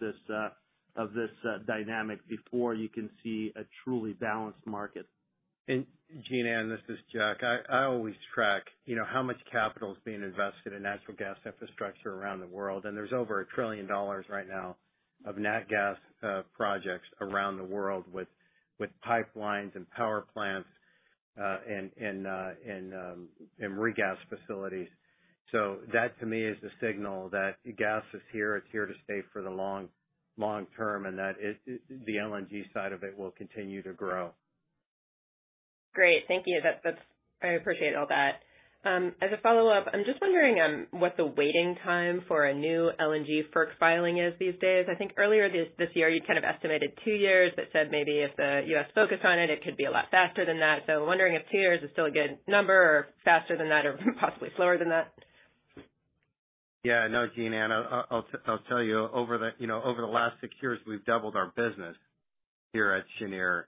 D: this dynamic before you can see a truly balanced market. Jean, this is Jack. I always track how much capital is being invested in natural gas infrastructure around the world, and there's over a trillion dollars right now of natural gas projects around the world with pipelines and power plants and regas facilities. that to me is the signal that gas is here, it's here to stay for the long, long term, and that it, the LNG side of it will continue to grow.
J: Great. Thank you. That's. I appreciate all that. As a follow-up, I'm just wondering what the waiting time for a new LNG FERC filing is these days. I think earlier this year you kind of estimated two years, but said maybe if the U.S. focused on it could be a lot faster than that. Wondering if two years is still a good number or faster than that or possibly slower than that.
C: Yeah. No, Jean-Ann, I'll tell you over the, you know, over the last 6 years, we've doubled our business here at Cheniere.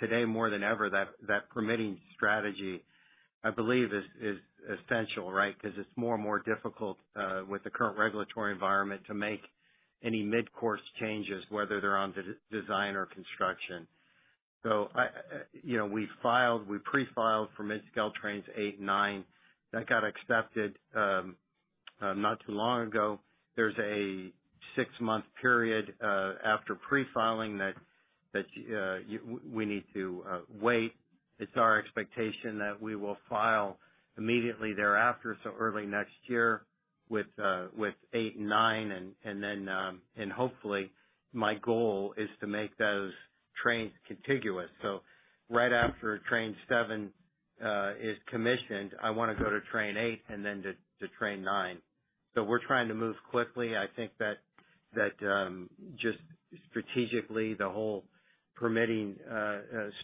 C: Today, more than ever, that permitting strategy I believe is essential, right? Because it's more and more difficult with the current regulatory environment to make any mid-course changes, whether they're on de-design or construction. I, you know, we pre-filed for mid-scale trains 8 and 9. That got accepted not too long ago. There's a 6-month period after pre-filing that we need to wait. It's our expectation that we will file immediately thereafter, early next year with 8 and 9. Then hopefully my goal is to make those trains contiguous. Right after train seven is commissioned, I wanna go to train eight and then to train nine. We're trying to move quickly. I think that just strategically, the whole permitting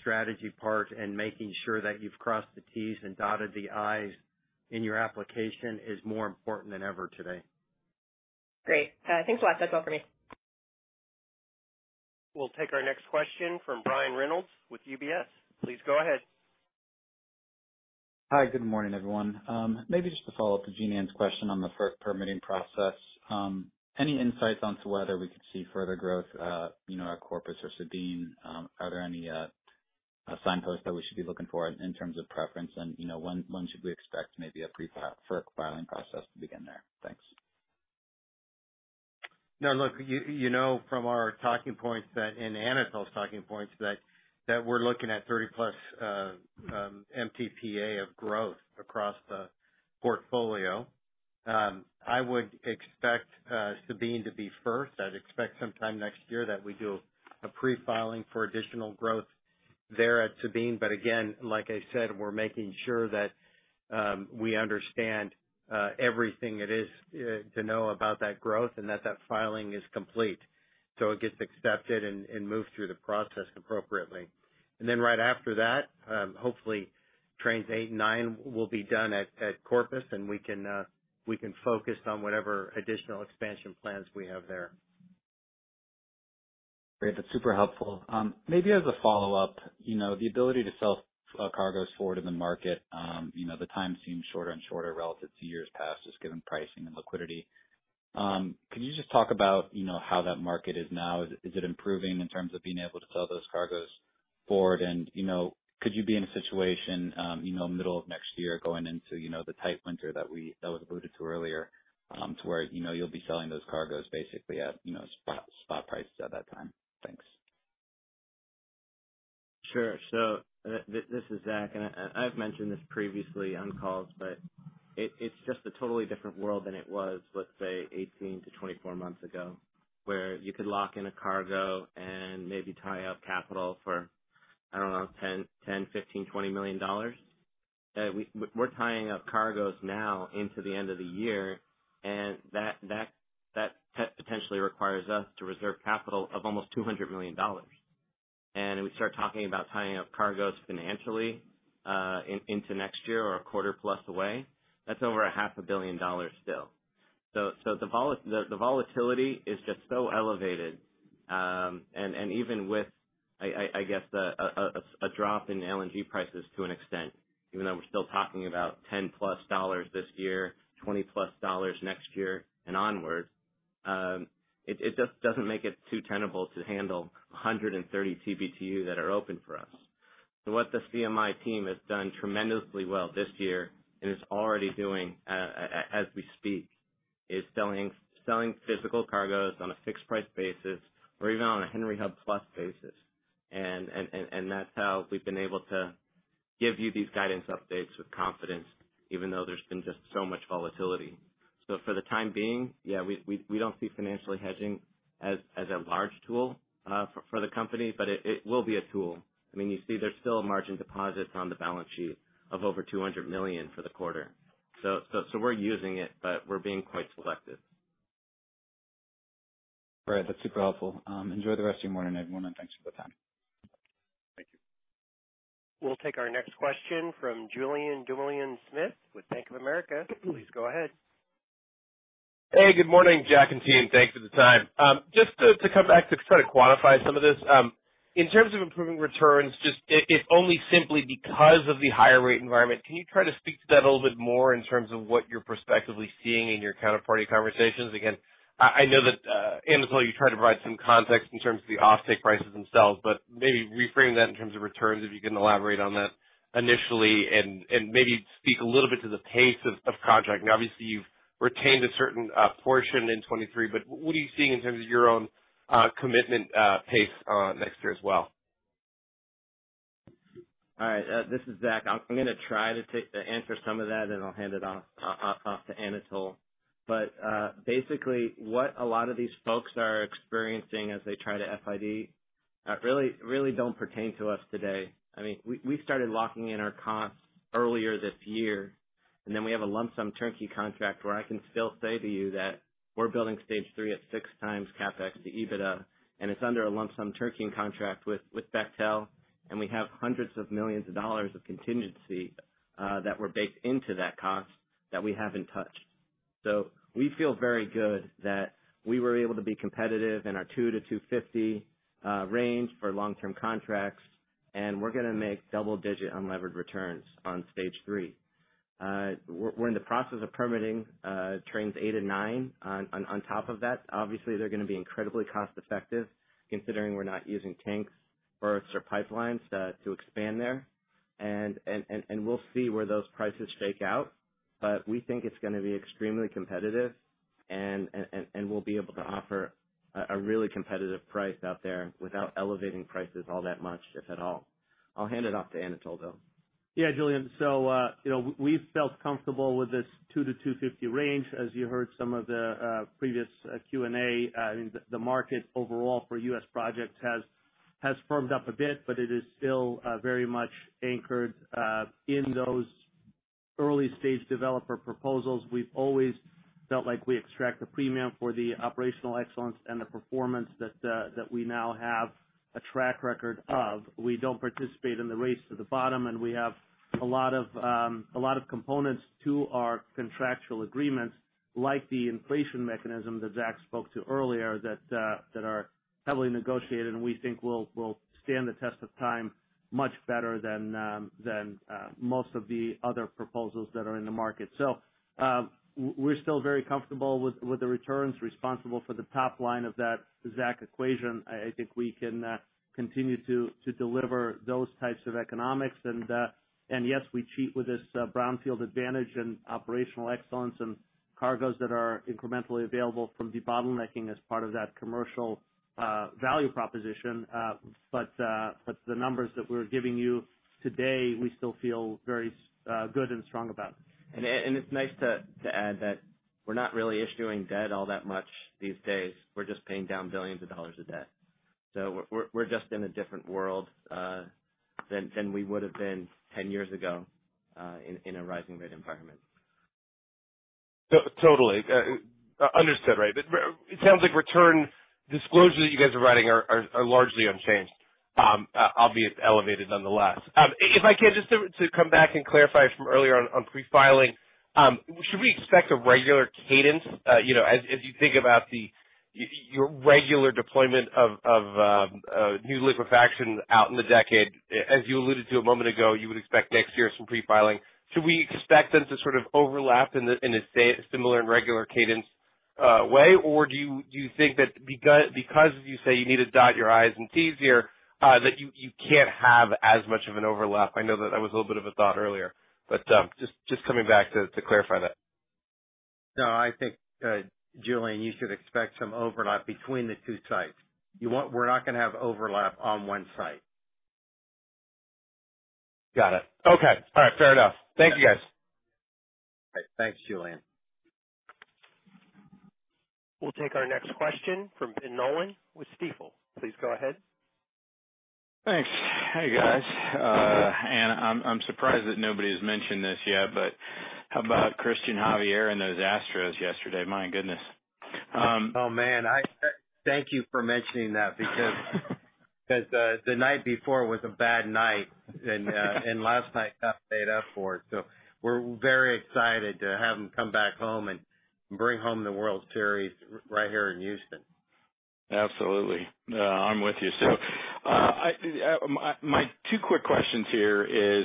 C: strategy part and making sure that you've crossed the T's and dotted the I's in your application is more important than ever today.
J: Great. Thanks a lot. That's all for me.
A: We'll take our next question from Brandon Reynolds with UBS. Please go ahead.
K: Hi, good morning, everyone. Maybe just to follow up to Jean-Ann's question on the FERC permitting process. Any insights onto whether we could see further growth, you know, at Corpus or Sabine? Are there any signposts that we should be looking for in terms of preference? You know, when should we expect maybe a pre-FERC filing process to begin there? Thanks.
C: No, look, you know from our talking points that and Anatol's talking points, that we're looking at 30+ MTPA of growth across the portfolio. I would expect Sabine to be first. I'd expect sometime next year that we do a pre-filing for additional growth there at Sabine. Again, like I said, we're making sure that we understand everything it is to know about that growth and that filing is complete, so it gets accepted and moved through the process appropriately. Then right after that, hopefully trains 8 and 9 will be done at Corpus and we can focus on whatever additional expansion plans we have there.
K: Great. That's super helpful. Maybe as a follow-up, you know, the ability to sell cargoes forward in the market, you know, the time seems shorter and shorter relative to years past, just given pricing and liquidity. Can you just talk about, you know, how that market is now? Is it improving in terms of being able to sell those cargoes forward? And, you know, could you be in a situation, you know, middle of next year going into, you know, the tight winter that was alluded to earlier, to where, you know, you'll be selling those cargoes basically at, you know, spot prices at that time? Thanks.
E: Sure. This is Zach, and I've mentioned this previously on calls, but it's just a totally different world than it was, let's say, 18-24 months ago, where you could lock in a cargo and maybe tie up capital for, I don't know, $10 million, $15 million, $20 million. We're tying up cargoes now into the end of the year, and that potentially requires us to reserve capital of almost $200 million. We start talking about tying up cargoes financially into next year or a quarter plus away. That's over half a billion dollars still. The volatility is just so elevated. Even with a drop in LNG prices to an extent, even though we're still talking about $10+ this year, $20+ next year and onwards, it just doesn't make it not tenable to handle 130 TBtu that are open for us. What the CMI team has done tremendously well this year and is already doing as we speak is selling physical cargoes on a fixed price basis or even on a Henry Hub plus basis. That's how we've been able to give you these guidance updates with confidence, even though there's been just so much volatility. For the time being, yeah, we don't see financial hedging as a large tool for the company, but it will be a tool. I mean, you see there's still margin deposits on the balance sheet of over $200 million for the quarter. We're using it, but we're being quite selective.
K: All right. That's super helpful. Enjoy the rest of your morning, everyone, and thanks for the time.
E: Thank you.
A: We'll take our next question from Julien Dumoulin-Smith with Bank of America. Please go ahead.
L: Hey, good morning, Jack and team. Thanks for the time. Just to come back to try to quantify some of this. In terms of improving returns, just if only simply because of the higher rate environment, can you try to speak to that a little bit more in terms of what you're prospectively seeing in your counterparty conversations? Again, I know that, Anatol, you tried to provide some context in terms of the offtake prices themselves, but maybe reframe that in terms of returns, if you can elaborate on that initially and maybe speak a little bit to the pace of project. Now, obviously, you've retained a certain portion in 2023, but what are you seeing in terms of your own commitment pace next year as well?
E: This is Zach. I'm gonna try to answer some of that, and I'll hand it off to Anatol. Basically, what a lot of these folks are experiencing as they try to FID really don't pertain to us today. I mean, we started locking in our costs earlier this year, and then we have a lump sum turnkey contract where I can still say to you that we're building Stage 3 at 6x CapEx to EBITDA, and it's under a lump sum turnkey contract with Bechtel. We have hundreds of millions of dollars of contingency that were baked into that cost that we haven't touched. We feel very good that we were able to be competitive in our $2-$2.50 range for long-term contracts, and we're gonna make double-digit unlevered returns on Stage 3. We're in the process of permitting trains 8 and 9 on top of that. Obviously they're gonna be incredibly cost-effective considering we're not using tanks, berths or pipelines to expand there. We'll see where those prices shake out. We think it's gonna be extremely competitive and we'll be able to offer a really competitive price out there without elevating prices all that much, if at all. I'll hand it off to Anatol though.
D: Yeah, Julien. You know, we felt comfortable with this $2-$2.50 range. As you heard some of the previous Q&A, the market overall for U.S. projects has firmed up a bit, but it is still very much anchored in those early-stage developer proposals. We've always felt like we extract a premium for the operational excellence and the performance that we now have a track record of. We don't participate in the race to the bottom, and we have a lot of components to our contractual agreements, like the inflation mechanism that Zach spoke to earlier that are heavily negotiated, and we think will stand the test of time much better than most of the other proposals that are in the market. We're still very comfortable with the returns responsible for the top line of that Zach equation. I think we can continue to deliver those types of economics. Yes, we cheat with this brownfield advantage and operational excellence and cargoes that are incrementally available from debottlenecking as part of that commercial value proposition. The numbers that we're giving you today, we still feel very good and strong about.
E: It's nice to add that we're not really issuing debt all that much these days. We're just paying down billions of dollars of debt. We're just in a different world than we would have been 10 years ago in a rising rate environment.
L: Totally. Understood. Right. It sounds like return disclosures you guys are writing are largely unchanged, obviously elevated nonetheless. If I can just come back to clarify from earlier on pre-filing, should we expect a regular cadence, you know, as you think about your regular deployment of new liquefaction out in the decade? As you alluded to a moment ago, you would expect next year some pre-filing. Should we expect them to sort of overlap in a similar and regular cadence way? Or do you think that because you say you need to dot your i's and t's here, that you can't have as much of an overlap? I know that was a little bit of a thought earlier, but just coming back to clarify that.
C: No, I think, Julien, you should expect some overlap between the two sites. We're not gonna have overlap on one site.
L: Got it. Okay. All right. Fair enough. Thank you, guys.
C: All right. Thanks, Julien.
A: We'll take our next question from Benjamin Nolan with Stifel. Please go ahead.
M: Thanks. Hey, guys. I'm surprised that nobody has mentioned this yet, but how about Cristian Javier and those Astros yesterday? My goodness.
C: Thank you for mentioning that because the night before was a bad night. Last night kind of made up for it. We're very excited to have them come back home and bring home the World Series right here in Houston.
M: Absolutely. I'm with you. My two quick questions here is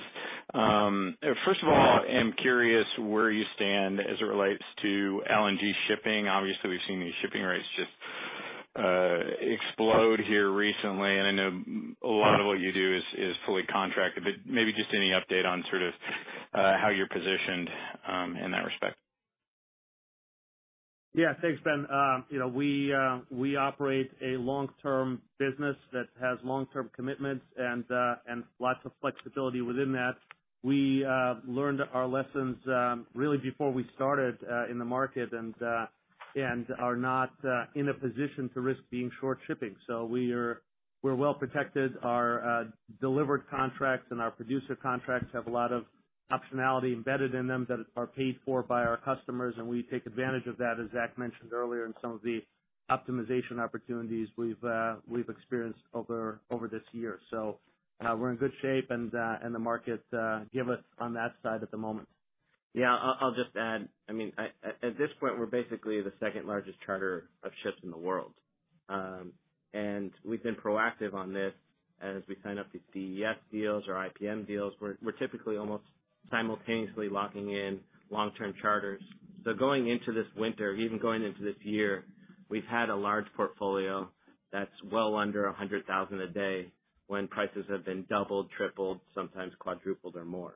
M: first of all, I'm curious where you stand as it relates to LNG shipping. Obviously, we've seen these shipping rates just explode here recently, and I know a lot of what you do is fully contracted. Maybe just any update on sort of how you're positioned in that respect.
D: Yeah. Thanks, Ben. You know, we operate a long-term business that has long-term commitments and lots of flexibility within that. We learned our lessons really before we started in the market and are not in a position to risk being short shipping. We're well protected. Our delivered contracts and our producer contracts have a lot of optionality embedded in them that are paid for by our customers, and we take advantage of that, as Zach mentioned earlier, in some of the optimization opportunities we've experienced over this year. We're in good shape, and the market give us on that side at the moment.
E: Yeah. I'll just add. I mean, at this point, we're basically the second-largest charter of ships in the world. We've been proactive on this. As we sign up these DES deals or IPM deals, we're typically almost simultaneously locking in long-term charters. Going into this winter, even going into this year, we've had a large portfolio that's well under 100,000 a day when prices have been doubled, tripled, sometimes quadrupled or more.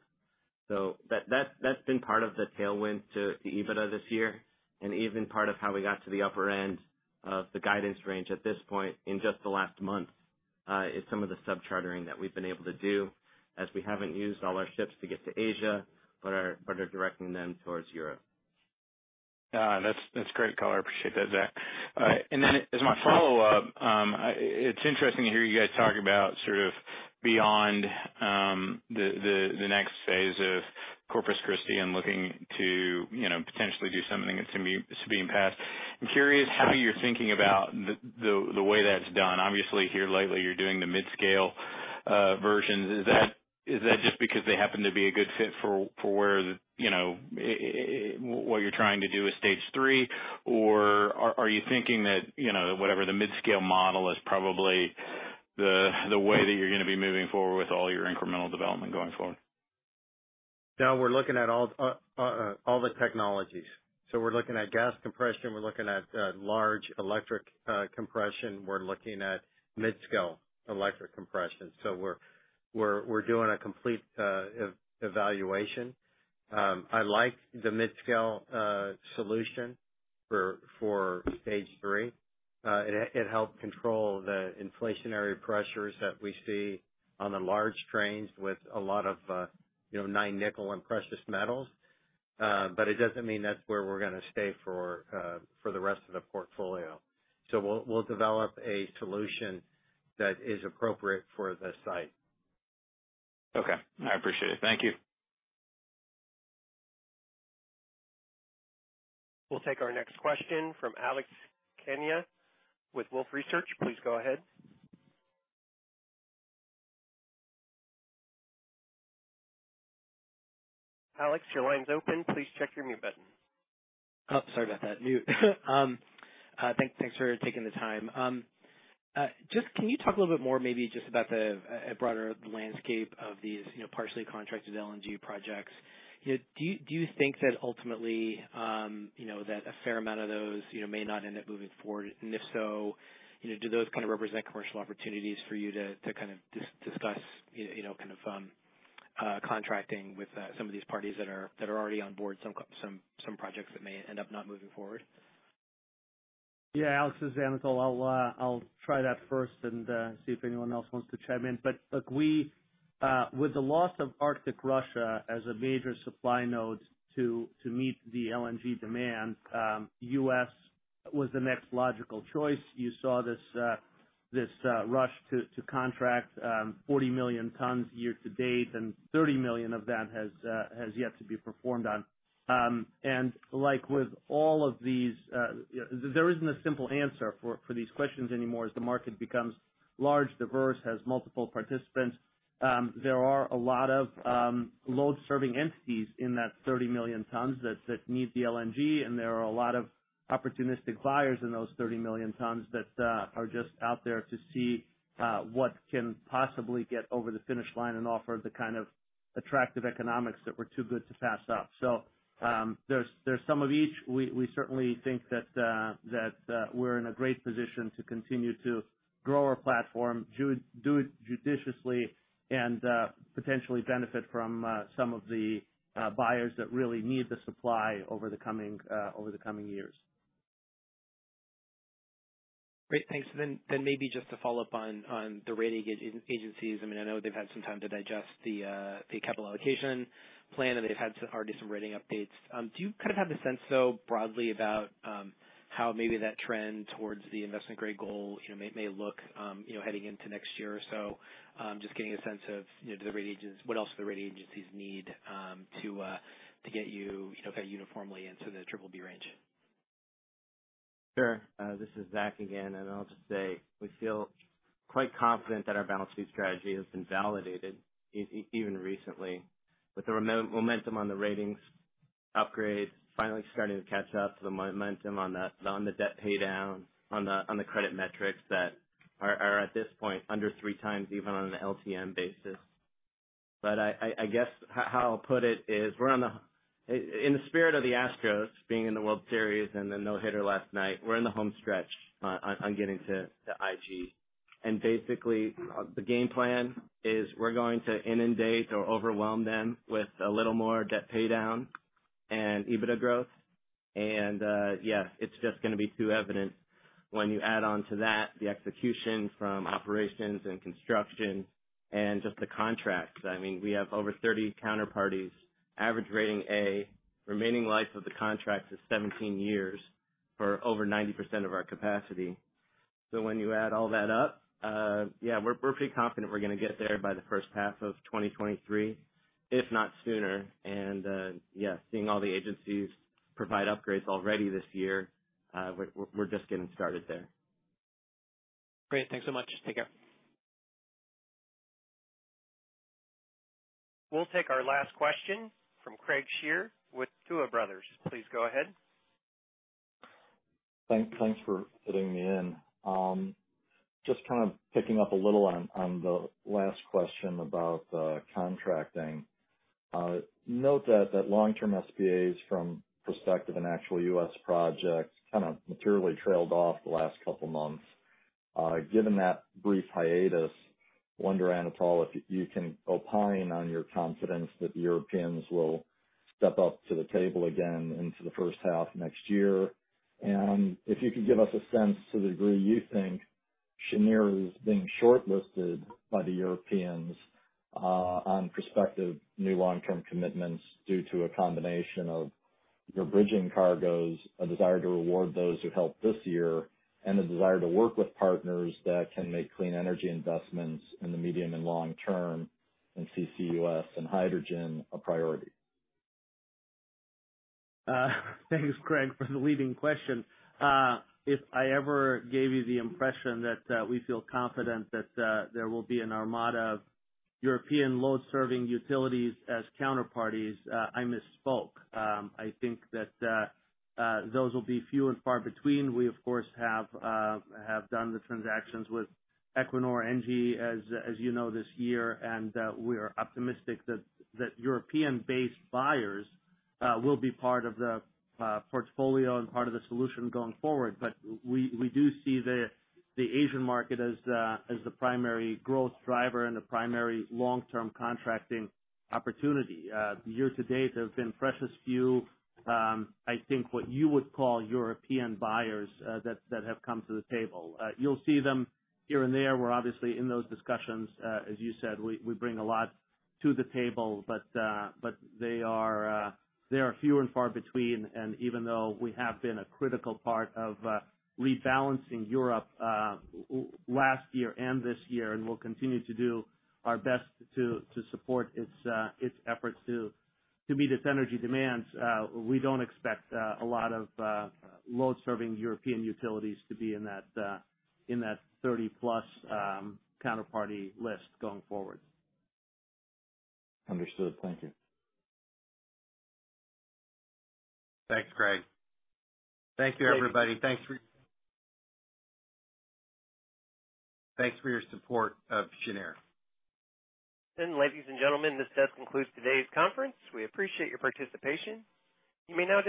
E: That's been part of the tailwind to EBITDA this year and even part of how we got to the upper end of the guidance range at this point in just the last month is some of the sub-chartering that we've been able to do as we haven't used all our ships to get to Asia, but are directing them towards Europe.
M: That's great color. I appreciate that, Zach. As my follow-up, it's interesting to hear you guys talk about sort of beyond the next phase of Corpus Christi and looking to, you know, potentially do something in Sabine Pass. I'm curious how you're thinking about the way that's done. Obviously, here lately, you're doing the mid-scale versions. Is that just because they happen to be a good fit for where, you know, what you're trying to do with Stage 3? Or are you thinking that, you know, whatever the mid-scale model is probably the way that you're gonna be moving forward with all your incremental development going forward?
C: No, we're looking at all the technologies. We're looking at gas compression. We're looking at large electric compression. We're looking at mid-scale electric compression. We're doing a complete evaluation. I like the mid-scale solution for Stage 3. It helps control the inflationary pressures that we see on the large trains with a lot of, you know, 9% nickel and precious metals. It doesn't mean that's where we're gonna stay for the rest of the portfolio. We'll develop a solution that is appropriate for the site.
M: Okay. I appreciate it. Thank you.
A: We'll take our next question from Alex Kania with Wolfe Research. Please go ahead. Alex, your line's open. Please check your mute button.
N: Oh, sorry about that. Mute. Thanks for taking the time. Just can you talk a little bit more maybe just about the broader landscape of these, you know, partially contracted LNG projects? You know, do you think that ultimately, you know, that a fair amount of those, you know, may not end up moving forward? If so, you know, do those kind of represent commercial opportunities for you to kind of discuss, you know, kind of contracting with some of these parties that are already on board some projects that may end up not moving forward?
D: Yeah, Alex Kania, this is Anatol Feygin. I'll try that first and see if anyone else wants to chime in. Look, with the loss of Arctic Russia as a major supply node to meet the LNG demand, U.S. was the next logical choice. You saw this rush to contract 40 million tons year to date, and 30 million of that has yet to be performed on. Like with all of these, there isn't a simple answer for these questions anymore. As the market becomes large, diverse, has multiple participants, there are a lot of load-serving entities in that 30 million tons that need the LNG, and there are a lot of opportunistic buyers in those 30 million tons that are just out there to see what can possibly get over the finish line and offer the kind of attractive economics that were too good to pass up. There's some of each. We certainly think that we're in a great position to continue to grow our platform, do it judiciously and potentially benefit from some of the buyers that really need the supply over the coming years.
N: Great. Thanks. Maybe just to follow up on the rating agencies. I mean, I know they've had some time to digest the capital allocation plan, and they've had already some rating updates. Do you kind of have the sense, though, broadly about how maybe that trend towards the investment-grade goal, you know, may look, you know, heading into next year or so? Just getting a sense of, you know, what else do the rating agencies need to get you know, kind of uniformly into the BBB range?
E: Sure. This is Zach again, and I'll just say we feel quite confident that our balance sheet strategy has been validated even recently with the momentum on the ratings upgrades finally starting to catch up to the momentum on the debt pay down on the credit metrics that are at this point under three times even on an LTM basis. I guess how I'll put it is we're on the in the spirit of the Astros being in the World Series and the no-hitter last night, we're in the home stretch on getting to IG. Basically the game plan is we're going to inundate or overwhelm them with a little more debt pay down and EBITDA growth. It's just gonna be too evident when you add on to that the execution from operations and construction and just the contracts. I mean, we have over 30 counterparties, average rating A. Remaining life of the contract is 17 years for over 90% of our capacity. When you add all that up, yeah, we're pretty confident we're gonna get there by the first half of 2023, if not sooner. Seeing all the agencies provide upgrades already this year, we're just getting started there.
N: Great. Thanks so much. Take care.
A: We'll take our last question from Craig Shere with Tuohy Brothers. Please go ahead.
O: Thanks for fitting me in. Just kind of picking up a little on the last question about contracting. Note that long-term SPAs from prospective and actual U.S. projects kind of materially trailed off the last couple months. Given that brief hiatus, wonder, Anatol, if you can opine on your confidence that the Europeans will step up to the table again into the first half next year. If you could give us a sense to the degree you think Cheniere is being shortlisted by the Europeans on prospective new long-term commitments due to a combination of your bridging cargoes, a desire to reward those who helped this year, and a desire to work with partners that can make clean energy investments in the medium and long term in CCUS and hydrogen a priority.
D: Thanks, Craig, for the leading question. If I ever gave you the impression that we feel confident that there will be an armada of European load-serving utilities as counterparties, I misspoke. I think that those will be few and far between. We of course have done the transactions with Equinor, ENGIE, as you know, this year. We are optimistic that European-based buyers will be part of the portfolio and part of the solution going forward. But we do see the Asian market as the primary growth driver and the primary long-term contracting opportunity. Year to date, there have been precious few. I think what you would call European buyers that have come to the table. You'll see them here and there. We're obviously in those discussions. As you said, we bring a lot to the table. They are few and far between. Even though we have been a critical part of rebalancing Europe last year and this year, and will continue to do our best to support its efforts to meet its energy demands, we don't expect a lot of load-serving European utilities to be in that 30+ counterparty list going forward.
O: Understood. Thank you.
D: Thanks, Craig. Thank you, everybody. Thanks for your support of Cheniere.
A: Ladies and gentlemen, this does conclude today's conference. We appreciate your participation. You may now disconnect.